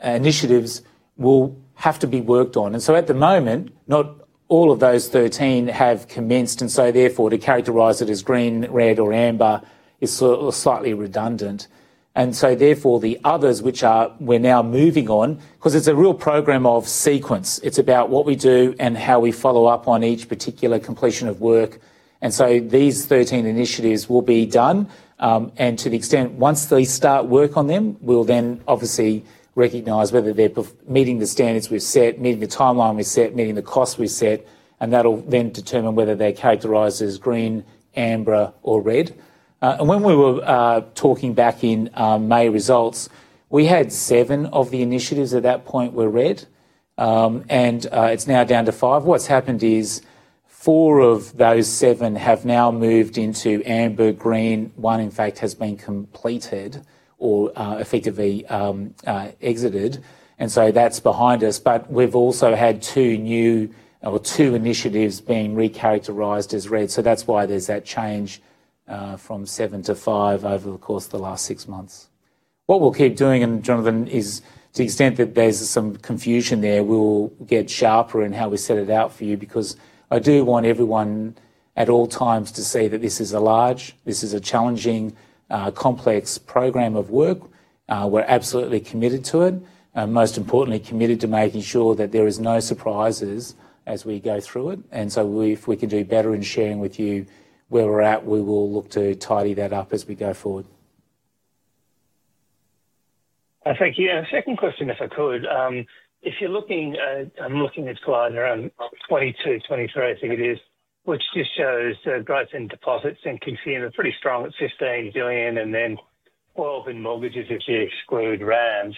initiatives will have to be worked on. At the moment, not all of those 13 have commenced. Therefore, to characterize it as green, red, or amber is slightly redundant. Therefore, the others, which we're now moving on, because it's a real program of sequence, it's about what we do and how we follow up on each particular completion of work. These 13 initiatives will be done. To the extent, once they start work on them, we'll then obviously recognize whether they're meeting the standards we've set, meeting the timeline we've set, meeting the costs we've set, and that'll then determine whether they're characterized as green, amber, or red. When we were talking back in May results, we had seven of the initiatives at that point were red. It's now down to five. What's happened is, four of those seven have now moved into amber, green. One, in fact, has been completed or effectively exited. That's behind us. We've also had two new, or two initiatives being recharacterized as red. That's why there's that change from seven to five over the course of the last six months. What we'll keep doing, and Jonathan, is to the extent that there's some confusion there, we'll get sharper in how we set it out for you because I do want everyone at all times to see that this is a large, this is a challenging, complex program of work. We're absolutely committed to it, most importantly committed to making sure that there are no surprises as we go through it. If we can do better in sharing with you where we're at, we will look to tidy that up as we go forward. Thank you. A second question, if I could. If you're looking, I'm looking at slide around 22, 23, I think it is, which just shows the growth in deposits and consumers pretty strong at 15 billion and then 12 in mortgages if you exclude RAMS.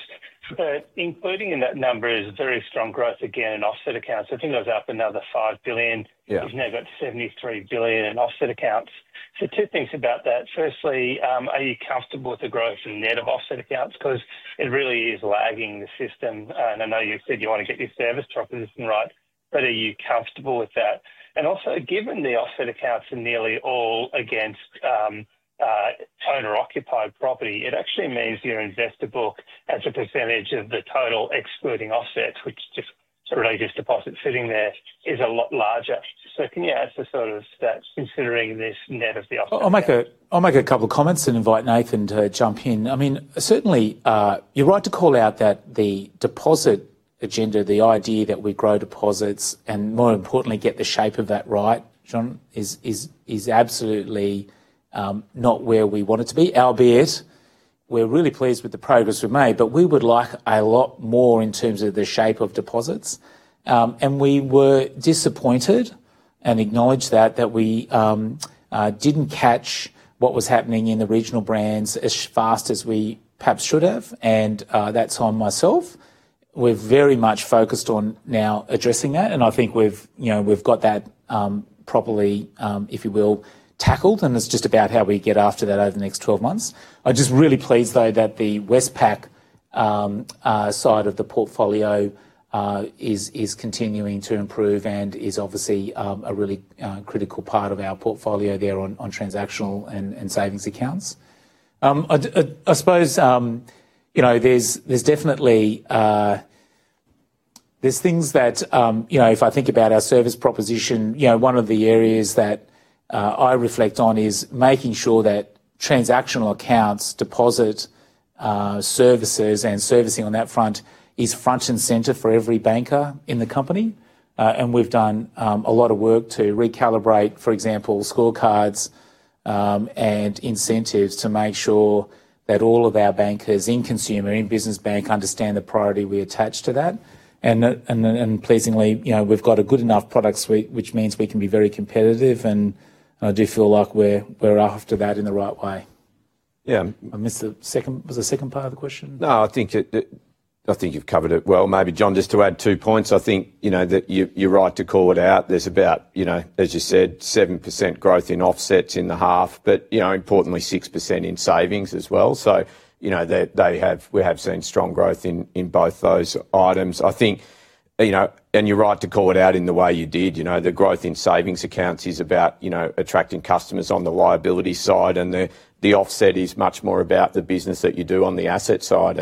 But including in that number is very strong growth again in offset accounts. I think it was up another 5 billion. It's now got to 73 billion in offset accounts. Two things about that. Firstly, are you comfortable with the growth in net of offset accounts? Because it really is lagging the system. I know you said you want to get your service proposition right, but are you comfortable with that? Also, given the offset accounts are nearly all against owner-occupied property, it actually means your investor book as a percentage of the total excluding offsets, which is really just deposits sitting there, is a lot larger. Can you answer sort of that considering this net of the offset? I'll make a couple of comments and invite Nathan to jump in. I mean, certainly you're right to call out that the deposit agenda, the idea that we grow deposits and more importantly get the shape of that right, Jon, is absolutely not where we want it to be. Albeit, we're really pleased with the progress we've made, but we would like a lot more in terms of the shape of deposits. We were disappointed and acknowledge that we didn't catch what was happening in the regional brands as fast as we perhaps should have. That's on myself. We're very much focused on now addressing that. I think we've, you know, we've got that properly, if you will, tackled. It's just about how we get after that over the next 12 months. I'm just really pleased though that the Westpac side of the portfolio is continuing to improve and is obviously a really critical part of our portfolio there on transactional and savings accounts. I suppose, you know, there's definitely, there's things that, you know, if I think about our service proposition, you know, one of the areas that I reflect on is making sure that transactional accounts, deposit services, and servicing on that front is front and center for every banker in the company. We've done a lot of work to recalibrate, for example, scorecards and incentives to make sure that all of our bankers in consumer, in business bank understand the priority we attach to that. Pleasingly, you know, we've got a good enough product suite, which means we can be very competitive. I do feel like we're after that in the right way. Yeah. I missed the second, was the second part of the question? No, I think you have covered it well. Maybe Jon, just to add two points, I think you are right to call it out. There is about, as you said, 7% growth in offsets in the half, but, importantly, 6% in savings as well. We have seen strong growth in both those items. I think, and you are right to call it out in the way you did. The growth in savings accounts is about attracting customers on the liability side. The offset is much more about the business that you do on the asset side.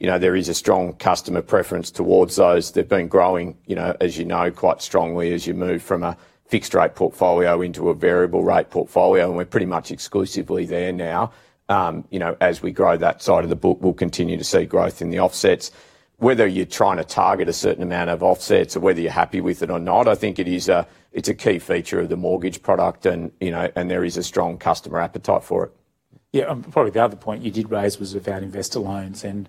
There is a strong customer preference towards those. They have been growing, as you know, quite strongly as you move from a fixed rate portfolio into a variable rate portfolio. We are pretty much exclusively there now. As we grow that side of the book, we will continue to see growth in the offsets. Whether you are trying to target a certain amount of offsets or whether you are happy with it or not, I think it is a key feature of the mortgage product, and there is a strong customer appetite for it. Yeah. Probably the other point you did raise was about investor loans. You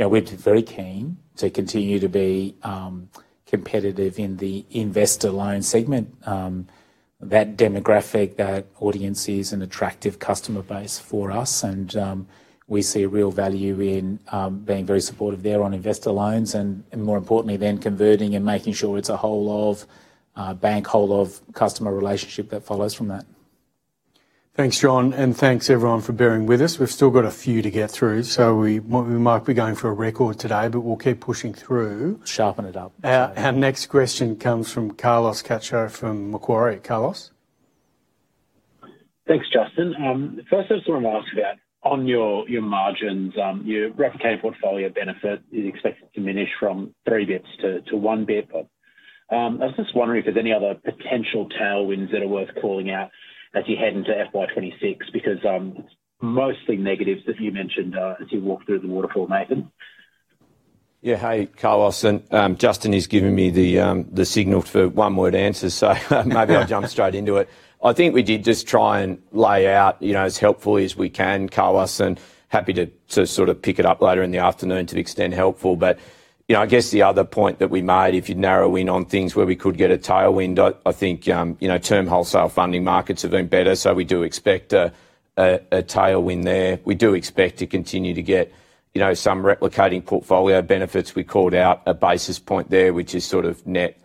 know, we're very keen to continue to be competitive in the investor loan segment. That demographic, that audience is an attractive customer base for us. We see a real value in being very supportive there on investor loans and, more importantly, then converting and making sure it's a whole of bank, whole of customer relationship that follows from that. Thanks, Jon. Thanks everyone for bearing with us. We've still got a few to get through. We might be going for a record today, but we'll keep pushing through. Sharpen it up. Our next question comes from Carlos Cacho from Macquarie. Carlos. Thanks, Justin. First, I just want to ask about on your margins, your replicating portfolio benefit is expected to diminish from three basis points to one basis point. I was just wondering if there's any other potential tailwinds that are worth calling out as you head into FY 2026 because it's mostly negatives that you mentioned as you walked through the waterfall, Nathan. Yeah. Hey, Carlos. And Justin has given me the signal for one-word answers. Maybe I'll jump straight into it. I think we did just try and lay out, you know, as helpfully as we can, Carlos. Happy to sort of pick it up later in the afternoon to the extent helpful. You know, I guess the other point that we made, if you'd narrow in on things where we could get a tailwind, I think, you know, term wholesale funding markets have been better. We do expect a tailwind there. We do expect to continue to get, you know, some replicating portfolio benefits. We called out a basis point there, which is sort of net.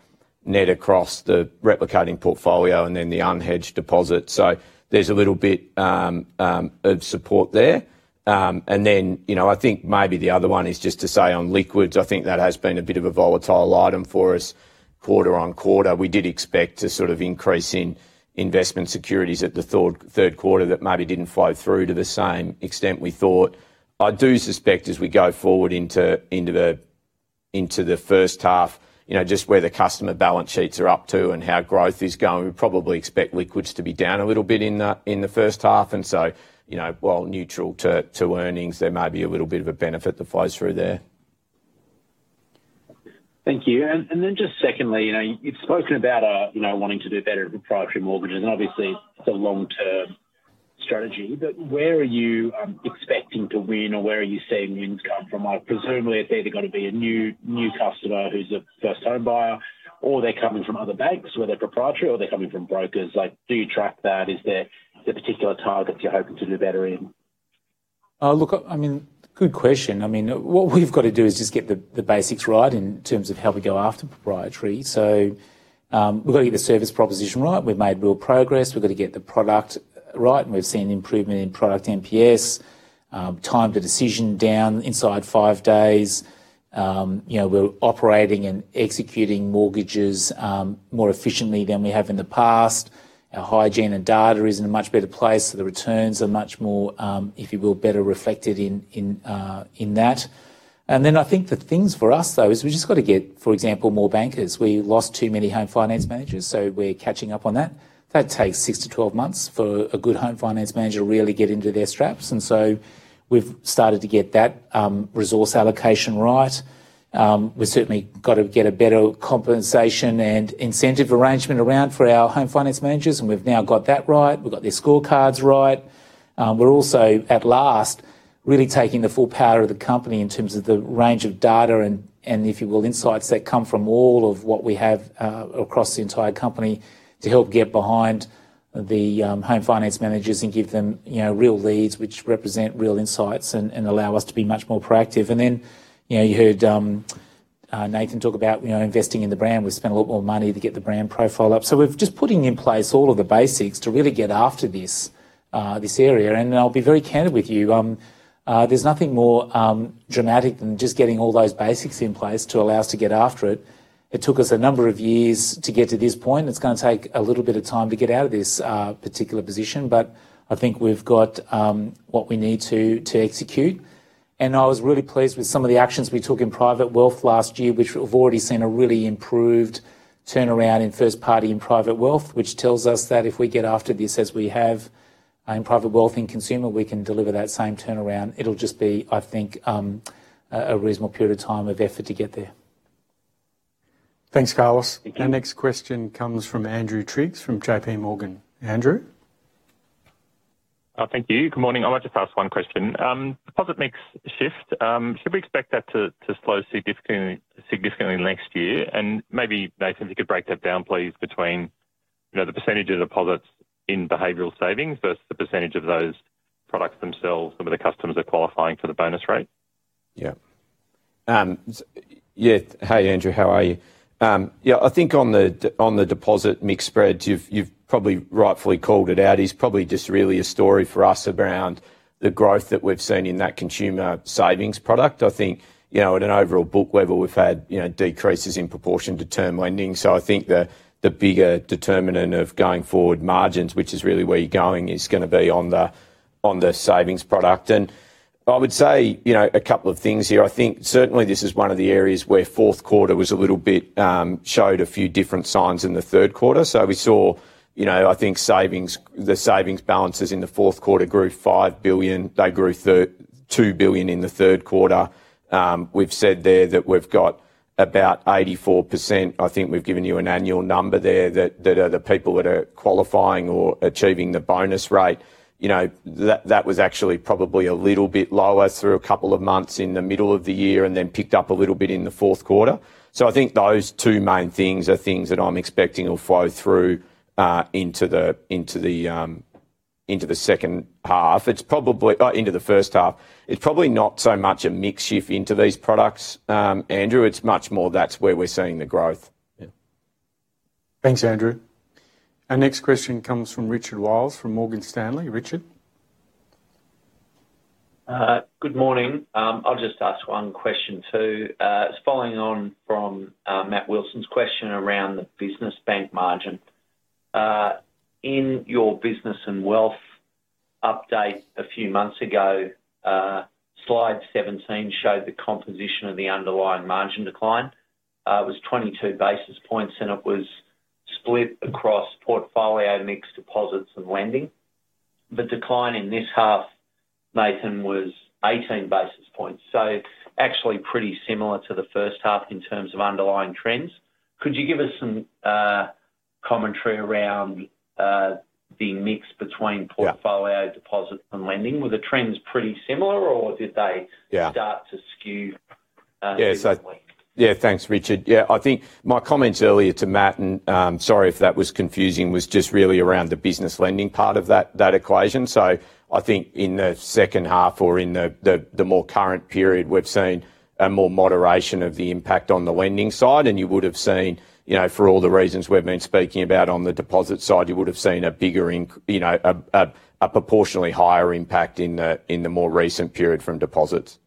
Net across the replicating portfolio and then the unhedged deposit. There's a little bit of support there. You know, I think maybe the other one is just to say on liquids, I think that has been a bit of a volatile item for us quarter-on-quarter. We did expect to sort of increase in investment securities at the third quarter that maybe did not flow through to the same extent we thought. I do suspect as we go forward into the first half, you know, just where the customer balance sheets are up to and how growth is going, we probably expect liquids to be down a little bit in the first half. You know, while neutral to earnings, there may be a little bit of a benefit that flows through there. Thank you. And then just secondly, you know, you've spoken about, you know, wanting to do better at proprietary mortgages. And obviously, it's a long-term strategy. But where are you expecting to win or where are you seeing wins come from? Like, presumably, if they've got to be a new customer who's a first home buyer, or they're coming from other banks where they're proprietary, or they're coming from brokers, like, do you track that? Is there particular targets you're hoping to do better in? Look, I mean, good question. I mean, what we've got to do is just get the basics right in terms of how we go after proprietary. We've got to get the service proposition right. We've made real progress. We've got to get the product right. And we've seen improvement in product NPS. Time to decision down inside five days. You know, we're operating and executing mortgages more efficiently than we have in the past. Our hygiene and data is in a much better place. The returns are much more, if you will, better reflected in that. I think the things for us, though, is we just got to get, for example, more bankers. We lost too many home finance managers. We're catching up on that. That takes 6-12 months for a good home finance manager to really get into their straps. We've started to get that resource allocation right. We've certainly got to get a better compensation and incentive arrangement around for our home finance managers. We've now got that right. We've got their scorecards right. We're also, at last, really taking the full power of the company in terms of the range of data and, if you will, insights that come from all of what we have across the entire company to help get behind the home finance managers and give them, you know, real leads, which represent real insights and allow us to be much more proactive. You heard Nathan talk about, you know, investing in the brand. We spent a lot more money to get the brand profile up. We're just putting in place all of the basics to really get after this area. I'll be very candid with you. There's nothing more dramatic than just getting all those basics in place to allow us to get after it. It took us a number of years to get to this point. It's going to take a little bit of time to get out of this particular position. I think we've got what we need to execute. I was really pleased with some of the actions we took in private wealth last year, which we've already seen a really improved turnaround in first party in private wealth, which tells us that if we get after this as we have in private wealth in consumer, we can deliver that same turnaround. It'll just be, I think, a reasonable period of time of effort to get there. Thanks, Carlos. Our next question comes from Andrew Triggs from JPMorgan. Andrew. Thank you. Good morning. I might just ask one question. Deposit mix shift. Should we expect that to slow significantly next year? Maybe, Nathan, if you could break that down, please, between, you know, the percentage of deposits in behavioral savings versus the percentage of those products themselves where the customers are qualifying for the bonus rate. Yeah. Yeah. Hey, Andrew, how are you? Yeah. I think on the deposit mix spreads, you've probably rightfully called it out. It's probably just really a story for us around the growth that we've seen in that consumer savings product. I think, you know, at an overall book level, we've had, you know, decreases in proportion to term lending. I think the bigger determinant of going forward margins, which is really where you're going, is going to be on the savings product. I would say, you know, a couple of things here. I think certainly this is one of the areas where fourth quarter was a little bit, showed a few different signs in the third quarter. We saw, you know, I think savings, the savings balances in the fourth quarter grew 5 billion. They grew 2 billion in the third quarter. We've said there that we've got about 84%. I think we've given you an annual number there that are the people that are qualifying or achieving the bonus rate. You know, that was actually probably a little bit lower through a couple of months in the middle of the year and then picked up a little bit in the fourth quarter. I think those two main things are things that I'm expecting will flow through. Into the. Into the second half. It's probably, into the first half, it's probably not so much a mix shift into these products, Andrew. It's much more that's where we're seeing the growth. Thanks, Andrew. Our next question comes from Richard Wiles from Morgan Stanley. Richard. Good morning. I'll just ask one question too. It's following on from Matt Wilson's question around the business bank margin. In your business and wealth update a few months ago, slide 17 showed the composition of the underlying margin decline. It was 22 basis points and it was split across portfolio mix, deposits, and lending. The decline in this half, Nathan, was 18 basis points. So actually pretty similar to the first half in terms of underlying trends. Could you give us some commentary around the mix between portfolio, deposits, and lending? Were the trends pretty similar or did they start to skew? Yeah. Thanks, Richard. Yeah. I think my comments earlier to Matt, and sorry if that was confusing, was just really around the business lending part of that equation. I think in the second half or in the more current period, we've seen a more moderation of the impact on the lending side. You would have seen, you know, for all the reasons we've been speaking about on the deposit side, you would have seen a bigger, you know, a proportionally higher impact in the more recent period from deposits.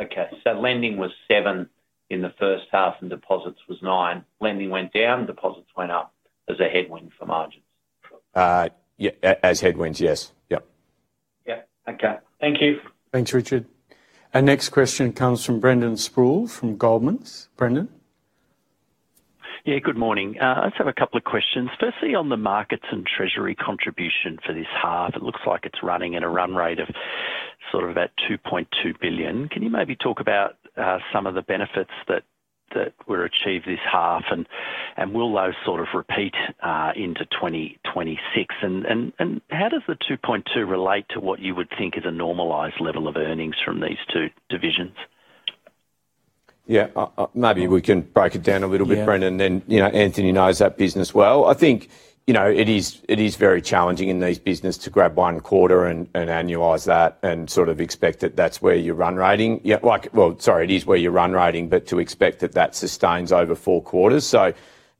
Okay. Lending was seven in the first half and deposits was nine. Lending went down, deposits went up as a headwind for margins. Yeah. As headwinds, yes. Yep. Yeah. Okay. Thank you. Thanks, Richard. Our next question comes from Brendan Sproules from Goldman Sachs. Brendan. Yeah. Good morning. I just have a couple of questions. Firstly, on the markets and treasury contribution for this half, it looks like it's running at a run rate of sort of at 2.2 billion. Can you maybe talk about some of the benefits that were achieved this half and will those sort of repeat into 2026? How does the 2.2 billion relate to what you would think is a normalized level of earnings from these two divisions? Yeah. Maybe we can break it down a little bit, Brendan. And then, you know, Anthony knows that business well. I think, you know, it is very challenging in these businesses to grab one quarter and annualize that and sort of expect that that's where your run rating. Yeah. Sorry, it is where your run rating, but to expect that that sustains over four quarters.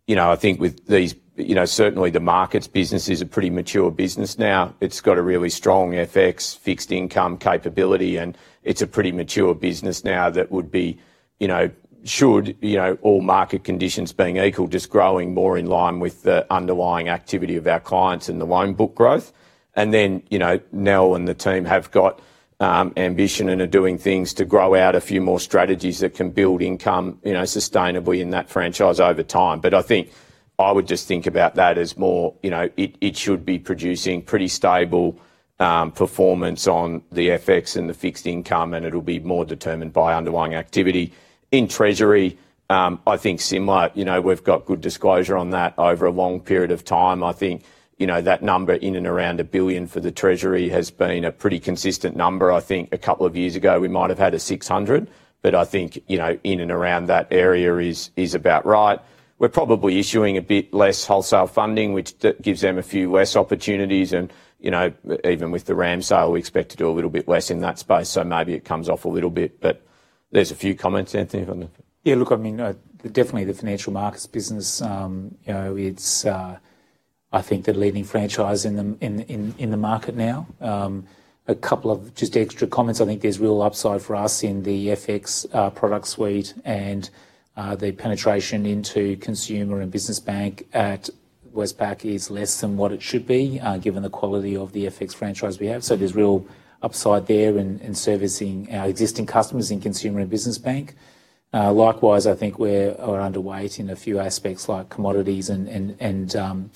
You know, I think with these, you know, certainly the markets business is a pretty mature business now. It's got a really strong FX, fixed income capability, and it's a pretty mature business now that would be, you know, should, you know, all market conditions being equal, just growing more in line with the underlying activity of our clients and the loan book growth. And then, you know, Nell and the team have got ambition and are doing things to grow out a few more strategies that can build income, you know, sustainably in that franchise over time. But I think I would just think about that as more, you know, it should be producing pretty stable performance on the FX and the fixed income, and it'll be more determined by underlying activity. In treasury, I think similar, you know, we've got good disclosure on that over a long period of time. I think, you know, that number in and around a billion for the treasury has been a pretty consistent number. I think a couple of years ago we might have had a 600, but I think, you know, in and around that area is about right. We're probably issuing a bit less wholesale funding, which gives them a few less opportunities. You know, even with the RAMS sale, we expect to do a little bit less in that space. Maybe it comes off a little bit, but there's a few comments, Anthony. Yeah. Look, I mean, definitely the financial markets business, you know, it's, I think, the leading franchise in the market now. A couple of just extra comments. I think there's real upside for us in the FX product suite and the penetration into consumer and business bank at Westpac is less than what it should be given the quality of the FX franchise we have. So there's real upside there in servicing our existing customers in consumer and business bank. Likewise, I think we're underweight in a few aspects like commodities and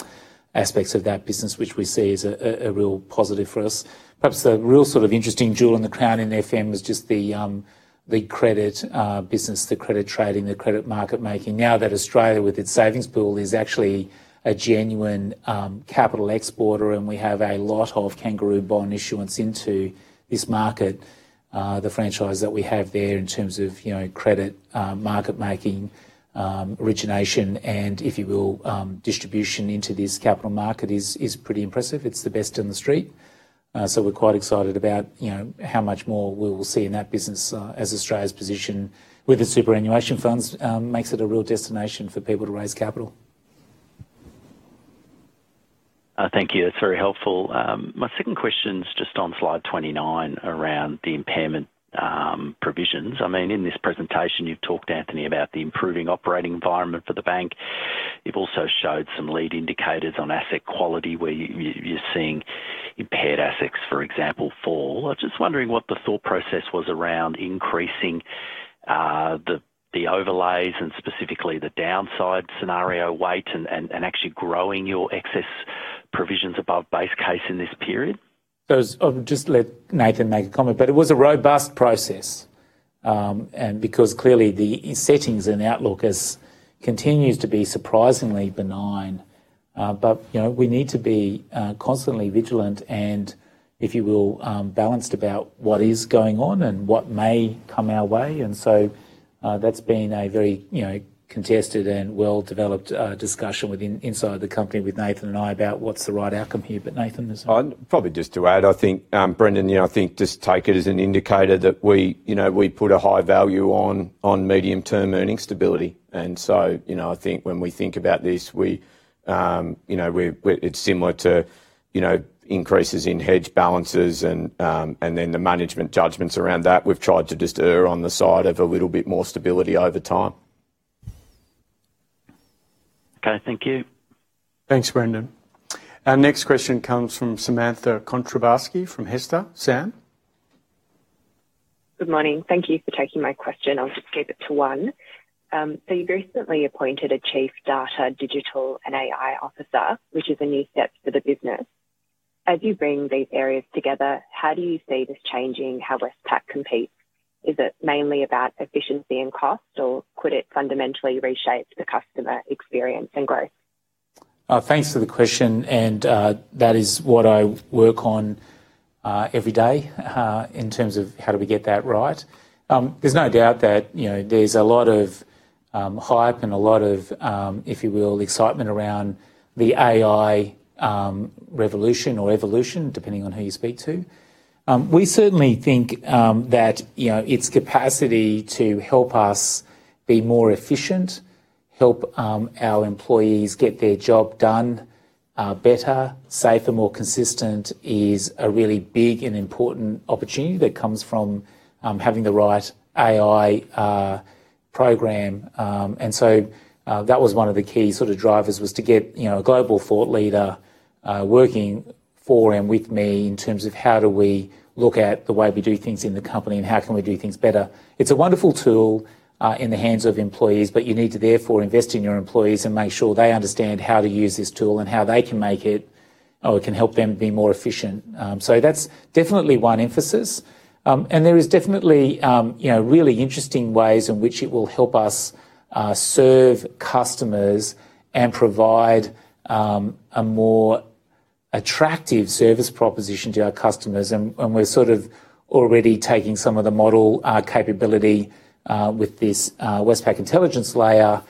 aspects of that business, which we see as a real positive for us. Perhaps the real sort of interesting jewel in the crown in FM is just the credit business, the credit trading, the credit market making. Now that Australia, with its savings pool, is actually a genuine capital exporter and we have a lot of kangaroo bond issuance into this market. The franchise that we have there in terms of, you know, credit market making, origination and, if you will, distribution into this capital market is pretty impressive. It's the best in the street. So we're quite excited about, you know, how much more we will see in that business as Australia's position with its superannuation funds makes it a real destination for people to raise capital. Thank you. That's very helpful. My second question is just on slide 29 around the impairment provisions. I mean, in this presentation, you've talked, Anthony, about the improving operating environment for the bank. You've also showed some lead indicators on asset quality where you're seeing impaired assets, for example, fall. I'm just wondering what the thought process was around increasing the overlays and specifically the downside scenario weight and actually growing your excess provisions above base case in this period. I'll just let Nathan make a comment, but it was a robust process. Because clearly the settings and outlook continues to be surprisingly benign. But, you know, we need to be constantly vigilant and, if you will, balanced about what is going on and what may come our way. That's been a very, you know, contested and well-developed discussion inside the company with Nathan and I about what's the right outcome here. Nathan, there's one. Probably just to add, I think, Brendan, you know, I think just take it as an indicator that we, you know, we put a high value on medium-term earnings stability. You know, I think when we think about this, we, you know, it's similar to, you know, increases in hedge balances and then the management judgments around that. We've tried to just err on the side of a little bit more stability over time. Okay. Thank you. Thanks, Brendan. Our next question comes from Samantha Kontrobarsky from HESTA, Sam. Good morning. Thank you for taking my question. I'll just skip it to one. So you've recently appointed a Chief Data, Digital, and AI Officer, which is a new step for the business. As you bring these areas together, how do you see this changing how Westpac competes? Is it mainly about efficiency and cost, or could it fundamentally reshape the customer experience and growth? Thanks for the question. That is what I work on every day in terms of how do we get that right. There is no doubt that, you know, there is a lot of hype and a lot of, if you will, excitement around the AI revolution or evolution, depending on who you speak to. We certainly think that, you know, its capacity to help us be more efficient, help our employees get their job done better, safer, more consistent is a really big and important opportunity that comes from having the right AI program. That was one of the key sort of drivers, to get, you know, a global thought leader working for and with me in terms of how do we look at the way we do things in the company and how can we do things better. It is a wonderful tool in the hands of employees, but you need to therefore invest in your employees and make sure they understand how to use this tool and how they can make it or can help them be more efficient. That is definitely one emphasis. There are definitely, you know, really interesting ways in which it will help us serve customers and provide a more attractive service proposition to our customers. We are sort of already taking some of the model capability with this Westpac intelligence layer,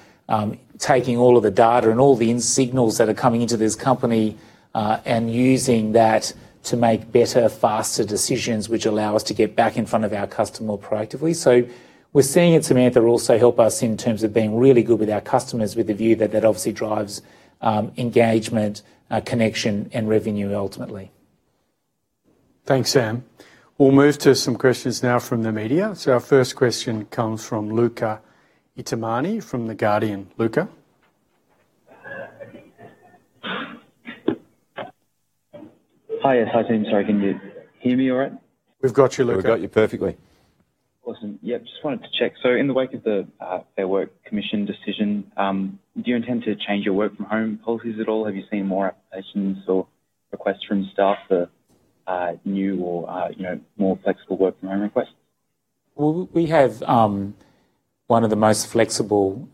taking all of the data and all the signals that are coming into this company and using that to make better, faster decisions, which allow us to get back in front of our customer more proactively. We are seeing it, Samantha, also help us in terms of being really good with our customers with the view that that obviously drives engagement, connection, and revenue ultimately. Thanks, Sam. We'll move to some questions now from the media. Our first question comes from Luca Ittimani from The Guardian. Luca. Hi, team. Sorry. Can you hear me all right? We've got you, Luca. We've got you perfectly. Awesome. Yeah. Just wanted to check. In the wake of the Fair Work Commission decision, do you intend to change your work-from-home policies at all? Have you seen more applications or requests from staff for new or, you know, more flexible work-from-home requests? We have one of the most flexible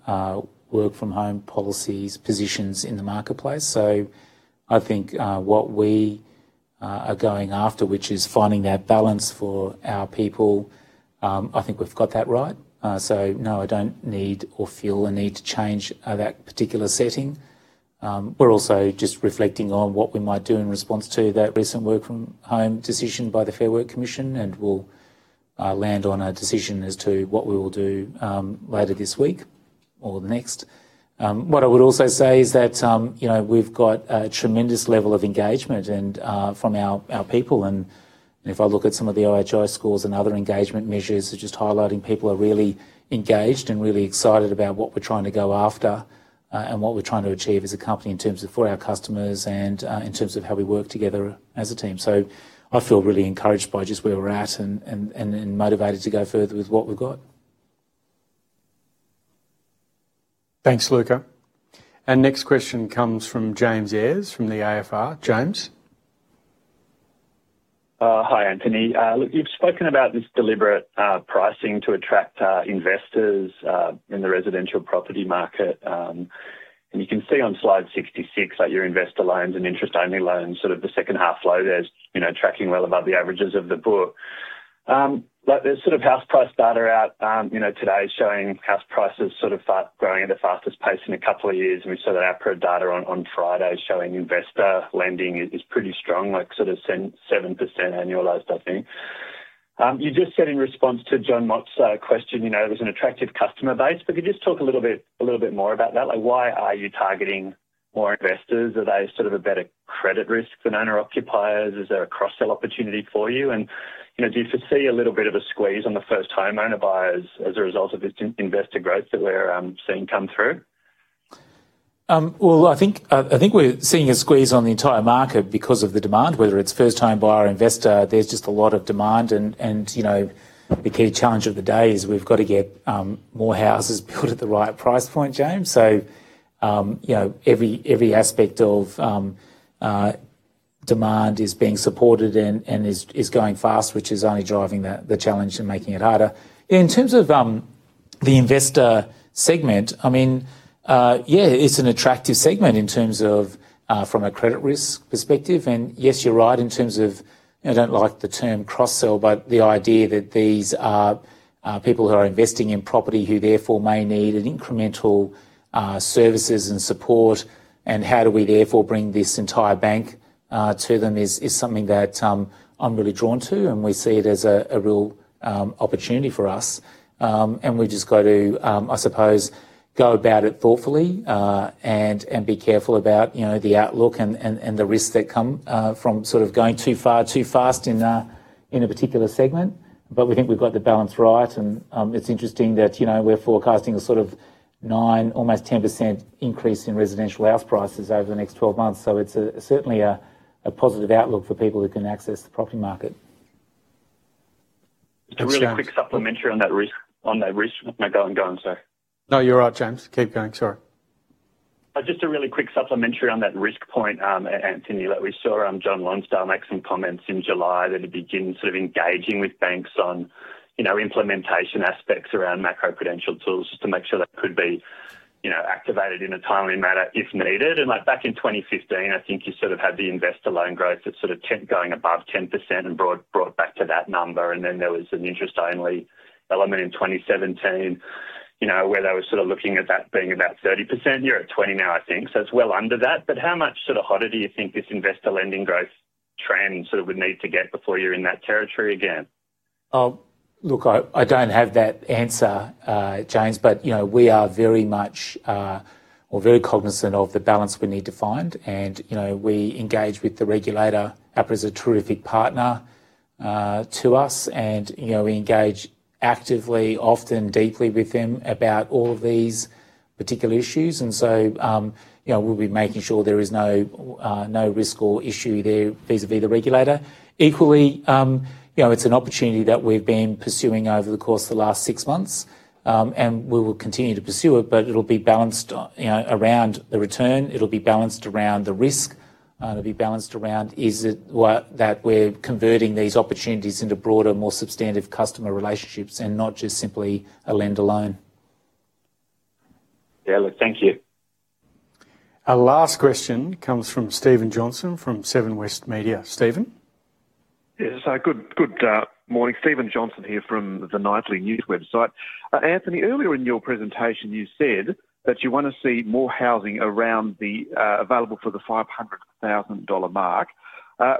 work-from-home policies positions in the marketplace. I think what we are going after, which is finding that balance for our people, I think we've got that right. I don't need or feel a need to change that particular setting. We're also just reflecting on what we might do in response to that recent work-from-home decision by the Fair Work Commission, and we'll land on a decision as to what we will do later this week or the next. What I would also say is that, you know, we've got a tremendous level of engagement from our people. If I look at some of the OHI scores and other engagement measures that are just highlighting, people are really engaged and really excited about what we're trying to go after and what we're trying to achieve as a company in terms of for our customers and in terms of how we work together as a team. I feel really encouraged by just where we're at and motivated to go further with what we've got. Thanks, Luca. Next question comes from James Eyers from the AFR. James. Hi, Anthony. Look, you've spoken about this deliberate pricing to attract investors in the residential property market. You can see on slide 66 that your investor loans and interest-only loans, sort of the second half flow, there's, you know, tracking well above the averages of the book. There's sort of house price data out, you know, today showing house prices sort of growing at the fastest pace in a couple of years. We saw that APRA data on Friday showing investor lending is pretty strong, like sort of 7% annualized, I think. You just said in response to Jon Mott's question, you know, there's an attractive customer base. Could you just talk a little bit more about that? Like, why are you targeting more investors? Are they sort of a better credit risk than owner-occupiers? Is there a cross-sell opportunity for you? You know, do you foresee a little bit of a squeeze on the first-time owner buyers as a result of this investor growth that we're seeing come through? I think we're seeing a squeeze on the entire market because of the demand, whether it's first-time buyer or investor. There's just a lot of demand. You know, the key challenge of the day is we've got to get more houses built at the right price point, James. You know, every aspect of demand is being supported and is going fast, which is only driving the challenge and making it harder. In terms of the investor segment, I mean, yeah, it's an attractive segment in terms of from a credit risk perspective. Yes, you're right in terms of, I don't like the term cross-sell, but the idea that these are people who are investing in property who therefore may need incremental services and support, and how do we therefore bring this entire bank to them is something that I'm really drawn to. We see it as a real opportunity for us. We just got to, I suppose, go about it thoughtfully and be careful about, you know, the outlook and the risks that come from sort of going too far, too fast in a particular segment. We think we've got the balance right. It's interesting that, you know, we're forecasting a sort of 9%, almost 10% increase in residential house prices over the next 12 months. It's certainly a positive outlook for people who can access the property market. Just a really quick supplementary on that risk point. Go on, go on, sir. No, you're right, James. Keep going. Sorry. Just a really quick supplementary on that risk point, Anthony, that we saw John Lonsdale making some comments in July that he'd begin sort of engaging with banks on, you know, implementation aspects around macro-prudential tools just to make sure that could be, you know, activated in a timely manner if needed. Like back in 2015, I think you sort of had the investor loan growth that sort of kept going above 10% and brought back to that number. Then there was an interest-only element in 2017, you know, where they were sort of looking at that being about 30%. You're at 20% now, I think. So it's well under that. How much sort of hotter do you think this investor lending growth trend sort of would need to get before you're in that territory again? Look, I don't have that answer, James, but, you know, we are very much, or very cognizant of the balance we need to find. You know, we engage with the regulator. APRA is a terrific partner to us. You know, we engage actively, often, deeply with them about all of these particular issues. You know, we'll be making sure there is no risk or issue there vis-à-vis the regulator. Equally, you know, it's an opportunity that we've been pursuing over the course of the last six months. We will continue to pursue it, but it'll be balanced, you know, around the return. It'll be balanced around the risk. It'll be balanced around is it that we're converting these opportunities into broader, more substantive customer relationships and not just simply a lend-alone. Yeah. Look, thank you. Our last question comes from Stephen Johnston from Seven West Media. Stephen. Yes. Good morning. Stephen Johnston here from the Nightly news website. Anthony, earlier in your presentation, you said that you want to see more housing around the available for the 500,000 dollar mark.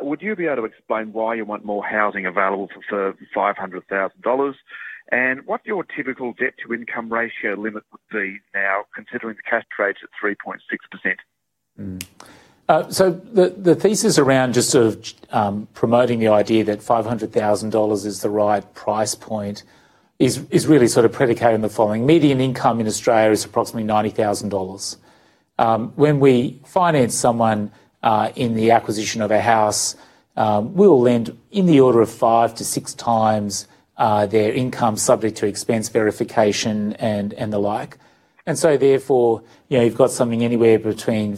Would you be able to explain why you want more housing available for 500,000 dollars? And what your typical debt-to-income ratio limit would be now considering the cash rate at 3.6%? The thesis around just sort of promoting the idea that 500,000 dollars is the right price point is really sort of predicated on the following. Median income in Australia is approximately 90,000 dollars. When we finance someone in the acquisition of a house, we will lend in the order of five to six times their income subject to expense verification and the like. Therefore, you know, you have got something anywhere between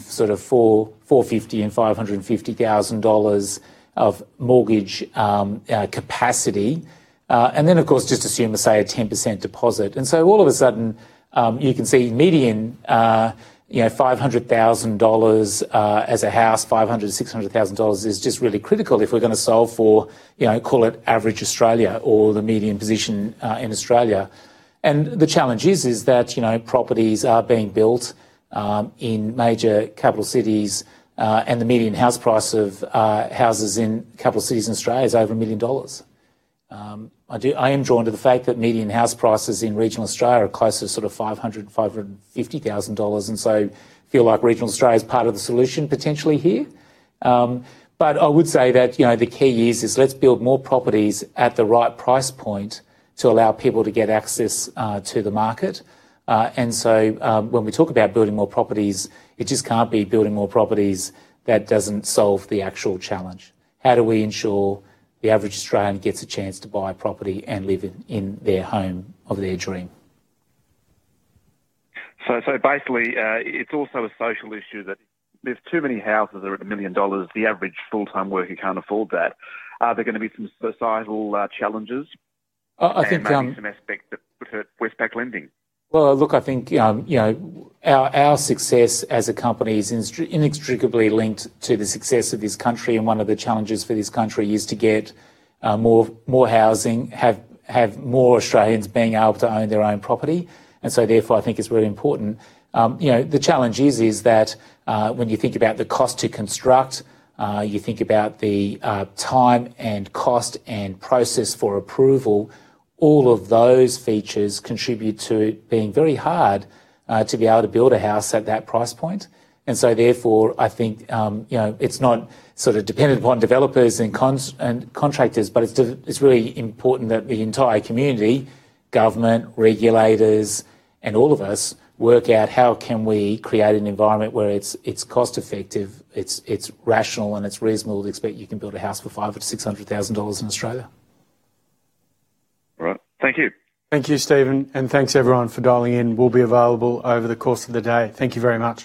450,000-550,000 dollars of mortgage capacity. Then, of course, just assume, say, a 10% deposit. All of a sudden, you can see median 500,000 dollars as a house, 500,000-600,000 dollars is just really critical if we are going to solve for, you know, call it average Australia or the median position in Australia. The challenge is that, you know, properties are being built in major capital cities, and the median house price of houses in capital cities in Australia is over 1 million dollars. I am drawn to the fact that median house prices in regional Australia are closer to sort of 500,000-550,000 dollars. I feel like regional Australia is part of the solution potentially here. I would say that, you know, the key is, is let's build more properties at the right price point to allow people to get access to the market. When we talk about building more properties, it just cannot be building more properties, that does not solve the actual challenge. How do we ensure the average Australian gets a chance to buy a property and live in their home of their dream? Basically, it's also a social issue that if too many houses are at 1 million dollars, the average full-time worker can't afford that. Are there going to be some societal challenges? I think. Around some aspects that would hurt Westpac lending? I think, you know, our success as a company is inextricably linked to the success of this country. One of the challenges for this country is to get more housing, have more Australians being able to own their own property. Therefore, I think it's very important. You know, the challenge is that when you think about the cost to construct, you think about the time and cost and process for approval, all of those features contribute to it being very hard to be able to build a house at that price point. Therefore, I think, you know, it's not sort of dependent upon developers and contractors, but it's really important that the entire community, government, regulators, and all of us work out how can we create an environment where it's cost-effective, it's rational, and it's reasonable to expect you can build a house for 500,000-600,000 dollars in Australia. All right. Thank you. Thank you, Stephen. Thank you, everyone, for dialing in. We will be available over the course of the day. Thank you very much.